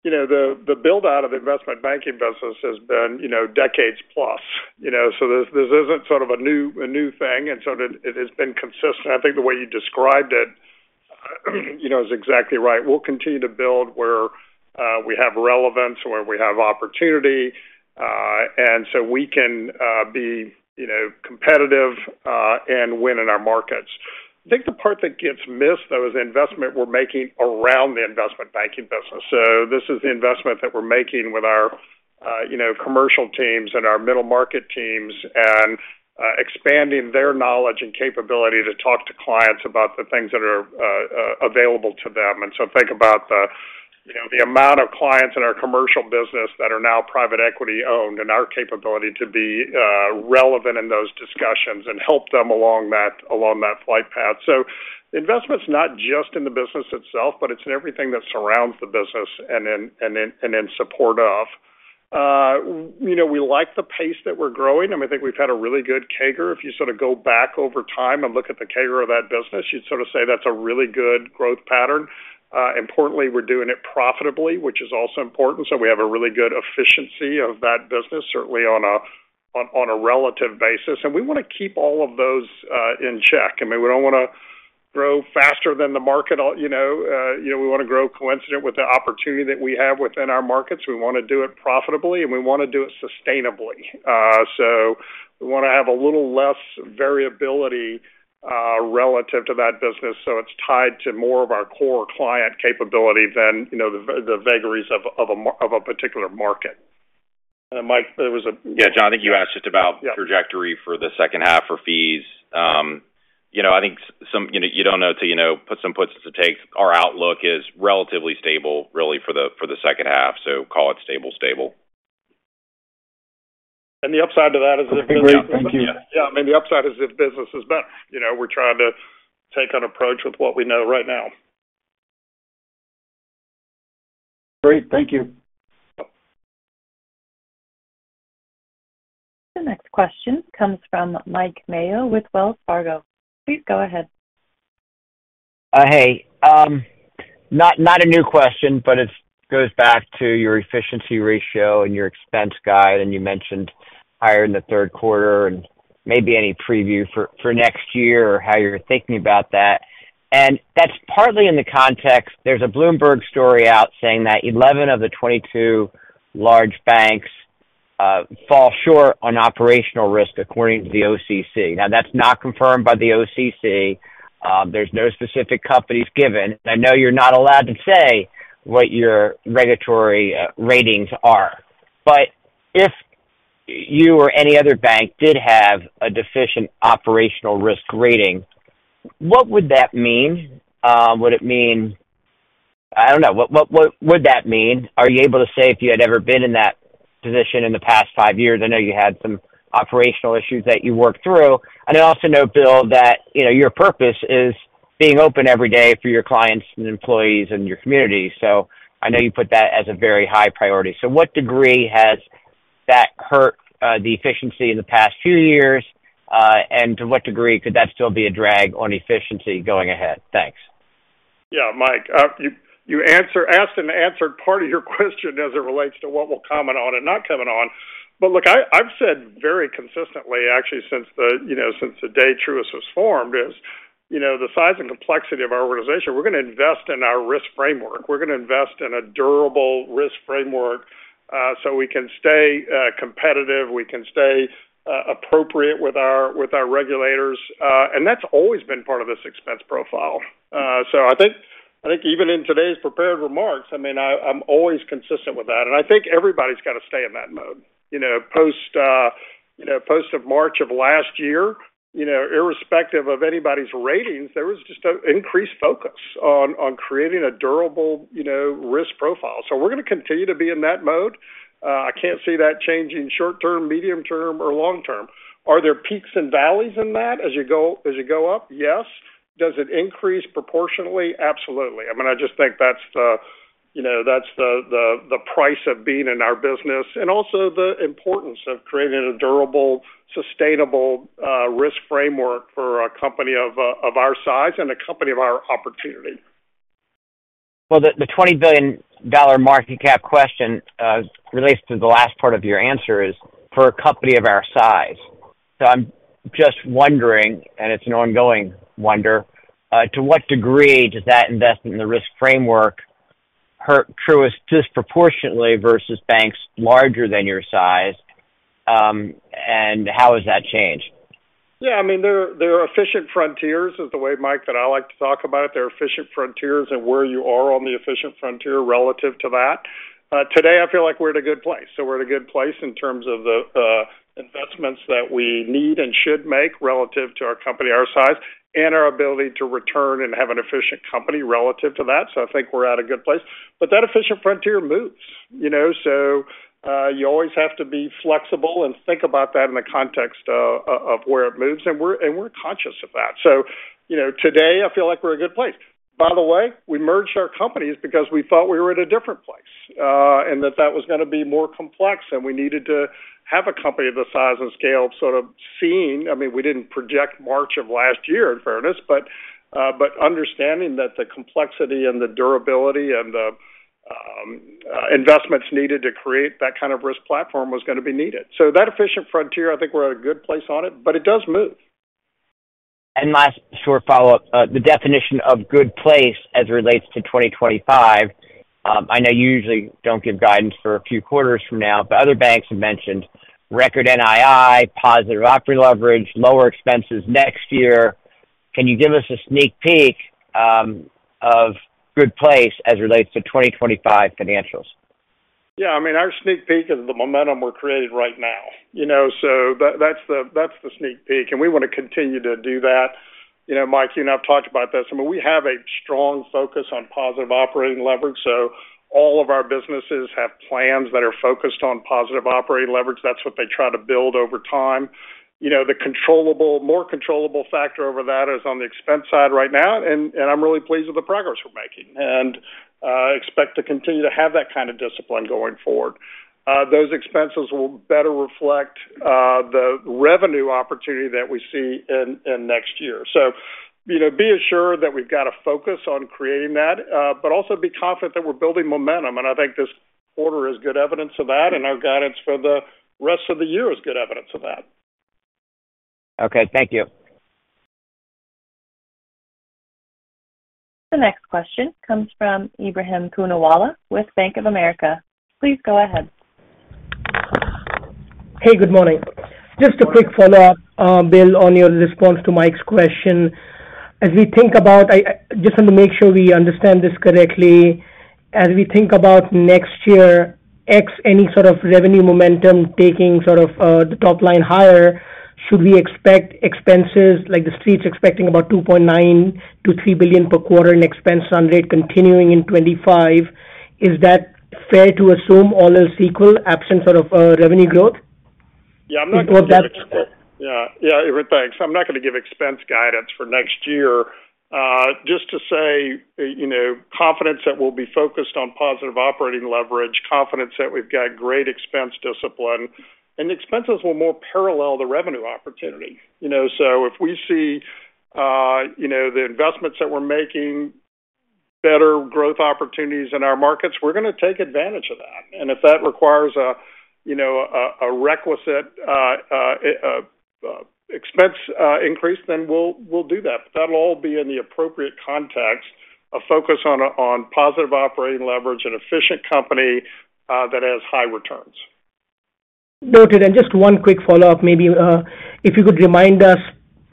S3: you know, the build-out of the investment banking business has been, you know, decades plus, you know, so this isn't sort of a new thing, and so it has been consistent. I think the way you described it, you know, is exactly right. We'll continue to build where we have relevance, where we have opportunity, and so we can be, you know, competitive and win in our markets. I think the part that gets missed, though, is the investment we're making around the investment banking business. So this is the investment that we're making with our, you know, commercial teams and our middle market teams and, expanding their knowledge and capability to talk to clients about the things that are available to them. And so think about the, you know, the amount of clients in our commercial business that are now private equity-owned and our capability to be relevant in those discussions and help them along that flight path. So investment's not just in the business itself, but it's in everything that surrounds the business and in support of. You know, we like the pace that we're growing, and we think we've had a really good CAGR. If you sort of go back over time and look at the CAGR of that business, you'd sort of say that's a really good growth pattern. Importantly, we're doing it profitably, which is also important. So we have a really good efficiency of that business, certainly on a relative basis. And we want to keep all of those in check. I mean, we don't want to grow faster than the market. You know, we want to grow coincident with the opportunity that we have within our markets. We want to do it profitably, and we want to do it sustainably. So we want to have a little less variability relative to that business, so it's tied to more of our core client capability than the vagaries of a particular market.
S11: And Mike, there was a-
S4: Yeah, John, I think you asked just about-
S3: Yeah.
S4: trajectory for the second half for fees. You know, I think some... You know, you don't know until you know, put some puts to takes. Our outlook is relatively stable, really, for the, for the second half, so call it stable, stable.
S3: The upside to that is that-
S10: Great. Thank you.
S3: Yeah, I mean, the upside is if business is better. You know, we're trying to take an approach with what we know right now.
S10: Great. Thank you.
S1: The next question comes from Mike Mayo with Wells Fargo. Please go ahead.
S12: Hey. Not a new question, but it goes back to your efficiency ratio and your expense guide, and you mentioned higher in the third quarter and maybe any preview for next year or how you're thinking about that. And that's partly in the context. There's a Bloomberg story out saying that 11 of the 22 large banks fall short on operational risk according to the OCC. Now, that's not confirmed by the OCC. There's no specific companies given. I know you're not allowed to say what your regulatory ratings are, but if you or any other bank did have a deficient operational risk rating, what would that mean? Would it mean... I don't know. What would that mean? Are you able to say if you had ever been in that position in the past five years? I know you had some operational issues that you worked through. I also know, Bill, that, you know, your purpose is being open every day for your clients and employees and your community. I know you put that as a very high priority. What degree has that hurt the efficiency in the past few years? And to what degree could that still be a drag on efficiency going ahead? Thanks.
S3: Yeah, Mike, you asked and answered part of your question as it relates to what we'll comment on and not comment on. But look, I've said very consistently, actually, since, you know, since the day Truist was formed, you know, the size and complexity of our organization, we're going to invest in our risk framework. We're going to invest in a durable risk framework, so we can stay competitive, we can stay appropriate with our regulators. And that's always been part of this expense profile. So I think, I think even in today's prepared remarks, I mean, I'm always consistent with that, and I think everybody's got to stay in that mode. You know, post March of last year, you know, irrespective of anybody's ratings, there was just an increased focus on creating a durable, you know, risk profile. So we're going to continue to be in that mode. I can't see that changing short term, medium term, or long term. Are there peaks and valleys in that as you go up? Yes. Does it increase proportionately? Absolutely. I mean, I just think that's the price of being in our business and also the importance of creating a durable, sustainable risk framework for a company of our size and a company of our opportunity.
S12: Well, the $20 billion market cap question relates to the last part of your answer is for a company of our size. So I'm just wondering, and it's an ongoing wonder, to what degree does that investment in the risk framework hurt Truist disproportionately versus banks larger than your size, and how has that changed?
S3: Yeah, I mean, there are efficient frontiers is the way, Mike, that I like to talk about it. There are efficient frontiers and where you are on the efficient frontier relative to that. Today, I feel like we're at a good place. So we're at a good place in terms of the investments that we need and should make relative to our company, our size, and our ability to return and have an efficient company relative to that. So I think we're at a good place. But that efficient frontier moves, you know, so you always have to be flexible and think about that in the context of where it moves, and we're conscious of that. So, you know, today, I feel like we're in a good place. By the way, we merged our companies because we thought we were at a different place, and that that was gonna be more complex, and we needed to have a company of the size and scale, sort of seeing... I mean, we didn't project March of last year, in fairness, but, but understanding that the complexity and the durability and the, investments needed to create that kind of risk platform was gonna be needed. So that efficient frontier, I think we're at a good place on it, but it does move.
S12: Last short follow-up. The definition of good place as it relates to 2025, I know you usually don't give guidance for a few quarters from now, but other banks have mentioned record NII, positive operating leverage, lower expenses next year. Can you give us a sneak peek, of good place as it relates to 2025 financials?
S3: Yeah, I mean, our sneak peek is the momentum we're creating right now. You know, so that's the sneak peek, and we want to continue to do that. You know, Mike, you and I have talked about this. I mean, we have a strong focus on positive operating leverage, so all of our businesses have plans that are focused on positive operating leverage. That's what they try to build over time. You know, the more controllable factor over that is on the expense side right now, and I'm really pleased with the progress we're making, and expect to continue to have that kind of discipline going forward. Those expenses will better reflect the revenue opportunity that we see in next year. You know, be assured that we've got a focus on creating that, but also be confident that we're building momentum, and I think this quarter is good evidence of that, and our guidance for the rest of the year is good evidence of that.
S12: Okay. Thank you.
S1: The next question comes from Ebrahim Poonawala with Bank of America. Please go ahead.
S13: Hey, good morning. Just a quick follow-up, Bill, on your response to Mike's question. As we think about, I just want to make sure we understand this correctly. As we think about next year, X, any sort of revenue momentum taking sort of the top line higher, should we expect expenses like the street's expecting about $2.9 billion-$3 billion per quarter in expense run rate continuing in 2025? Is that fair to assume all else equal, absent sort of revenue growth?
S3: Yeah, I'm not gonna give-
S13: Or that-
S3: Yeah. Yeah, Ebrahim, thanks. I'm not gonna give expense guidance for next year. Just to say, you know, confidence that we'll be focused on positive operating leverage, confidence that we've got great expense discipline, and expenses will more parallel the revenue opportunity. You know, so if we see, you know, the investments that we're making, better growth opportunities in our markets, we're gonna take advantage of that. And if that requires a, you know, a requisite expense increase, then we'll do that. But that'll all be in the appropriate context, a focus on positive operating leverage, an efficient company that has high returns.
S13: Noted. Just one quick follow-up, maybe, if you could remind us,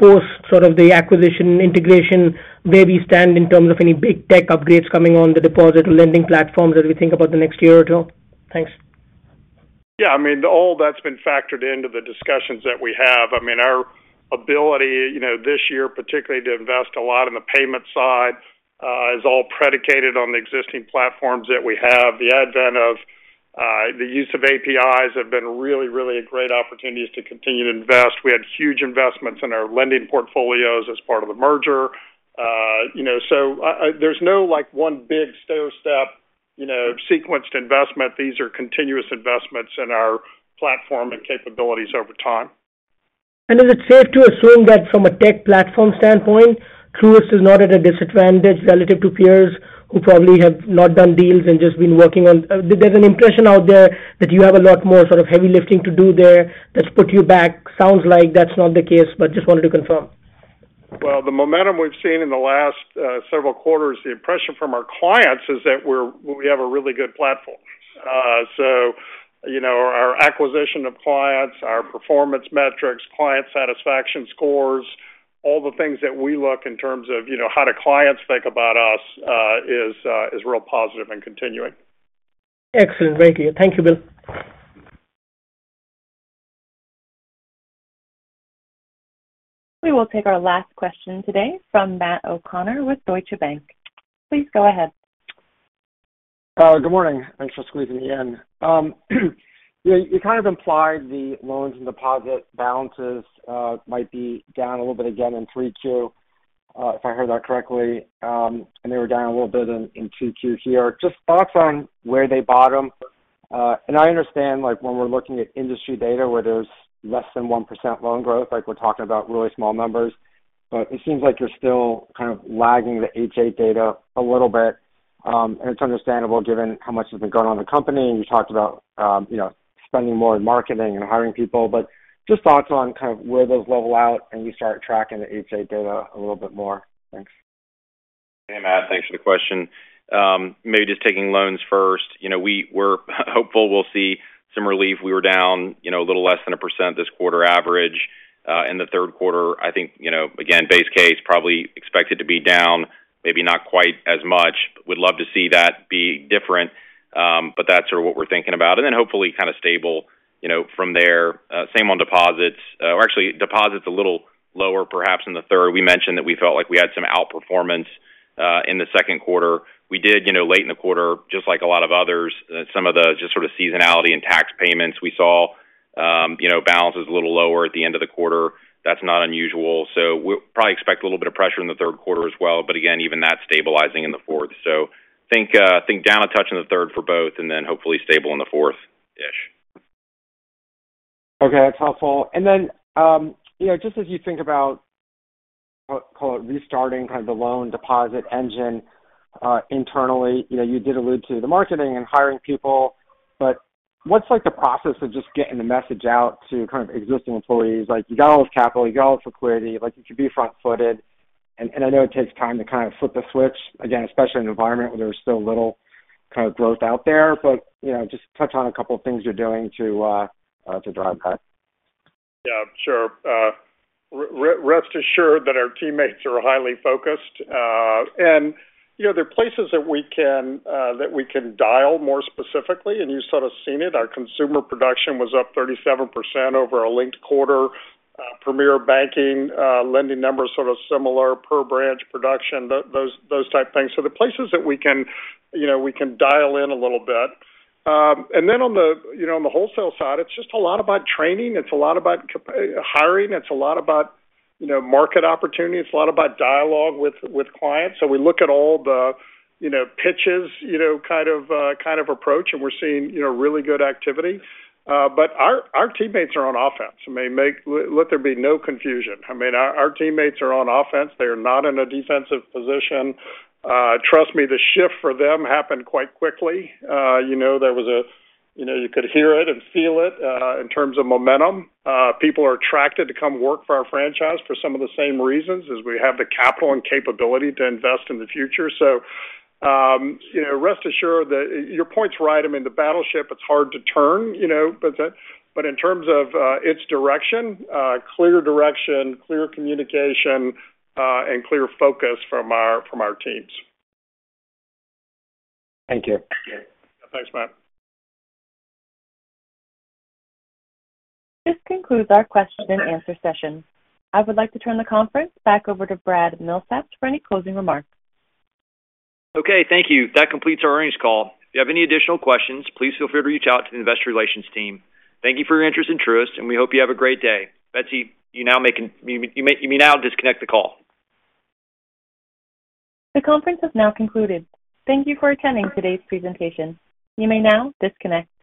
S13: post sort of the acquisition integration, where we stand in terms of any big tech upgrades coming on the deposit or lending platforms as we think about the next year or two? Thanks.
S3: Yeah, I mean, all that's been factored into the discussions that we have. I mean, our ability, you know, this year, particularly to invest a lot in the payment side, is all predicated on the existing platforms that we have. The advent of the use of APIs have been really, really great opportunities to continue to invest. We had huge investments in our lending portfolios as part of the merger. You know, so, there's no, like, one big stair step, you know, sequenced investment. These are continuous investments in our platform and capabilities over time.
S13: And is it safe to assume that from a tech platform standpoint, Truist is not at a disadvantage relative to peers who probably have not done deals and just been working on... There's an impression out there that you have a lot more sort of heavy lifting to do there. That's put you back. Sounds like that's not the case, but just wanted to confirm.
S3: Well, the momentum we've seen in the last several quarters, the impression from our clients is that we're- we have a really good platform. So, you know, our acquisition of clients, our performance metrics, client satisfaction scores, all the things that we look in terms of, you know, how do clients think about us, is real positive and continuing.
S13: Excellent. Thank you. Thank you, Bill.
S1: We will take our last question today from Matt O'Connor with Deutsche Bank. Please go ahead.
S14: Good morning. Thanks for squeezing me in. You kind of implied the loans and deposit balances might be down a little bit again in 3Q.... if I heard that correctly, and they were down a little bit in Q2 here. Just thoughts on where they bottom. And I understand, like, when we're looking at industry data where there's less than 1% loan growth, like, we're talking about really small numbers, but it seems like you're still kind of lagging the H.8 data a little bit. And it's understandable given how much has been going on in the company. And you talked about, you know, spending more in marketing and hiring people, but just thoughts on kind of where those level out and you start tracking the H.8 data a little bit more. Thanks.
S4: Hey, Matt, thanks for the question. Maybe just taking loans first. You know, we're hopeful we'll see some relief. We were down, you know, a little less than 1% this quarter average. In the third quarter, I think, you know, again, base case, probably expect it to be down, maybe not quite as much. We'd love to see that be different, but that's sort of what we're thinking about. And then hopefully, kind of stable, you know, from there. Same on deposits. Or actually, deposits a little lower, perhaps in the third. We mentioned that we felt like we had some outperformance in the second quarter. We did, you know, late in the quarter, just like a lot of others, some of the just sort of seasonality and tax payments. We saw, you know, balances a little lower at the end of the quarter. That's not unusual, so we'll probably expect a little bit of pressure in the third quarter as well, but again, even that's stabilizing in the fourth. So think, think down a touch in the third for both, and then hopefully stable in the fourth-ish.
S14: Okay, that's helpful. And then, you know, just as you think about, call it restarting kind of the loan deposit engine, internally, you know, you did allude to the marketing and hiring people, but what's like the process of just getting the message out to kind of existing employees? Like, you got all this capital, you got all this liquidity, like, you should be front-footed. And I know it takes time to kind of flip the switch, again, especially in an environment where there's still little kind of growth out there, but, you know, just touch on a couple of things you're doing to drive that.
S3: Yeah, sure. Rest assured that our teammates are highly focused. And, you know, there are places that we can, that we can dial more specifically, and you've sort of seen it. Our consumer production was up 37% over our linked quarter. Premier Banking lending numbers, sort of similar per branch production, those type things. So the places that we can, you know, we can dial in a little bit. And then on the, you know, on the wholesale side, it's just a lot about training, it's a lot about hiring, it's a lot about, you know, market opportunity, it's a lot about dialogue with clients. So we look at all the, you know, pitches, you know, kind of approach, and we're seeing, you know, really good activity. But our teammates are on offense. I mean, let there be no confusion. I mean, our teammates are on offense. They are not in a defensive position. Trust me, the shift for them happened quite quickly. You know, you could hear it and feel it in terms of momentum. People are attracted to come work for our franchise for some of the same reasons, as we have the capital and capability to invest in the future. So, you know, rest assured that your point's right. I mean, the battleship, it's hard to turn, you know, but in terms of its direction, clear direction, clear communication, and clear focus from our teams.
S14: Thank you.
S3: Thanks, Matt.
S1: This concludes our question and answer session. I would like to turn the conference back over to Brad Milsaps for any closing remarks.
S2: Okay, thank you. That completes our earnings call. If you have any additional questions, please feel free to reach out to the investor relations team. Thank you for your interest in Truist, and we hope you have a great day. Betsy, you may now disconnect the call.
S1: The conference has now concluded. Thank you for attending today's presentation. You may now disconnect.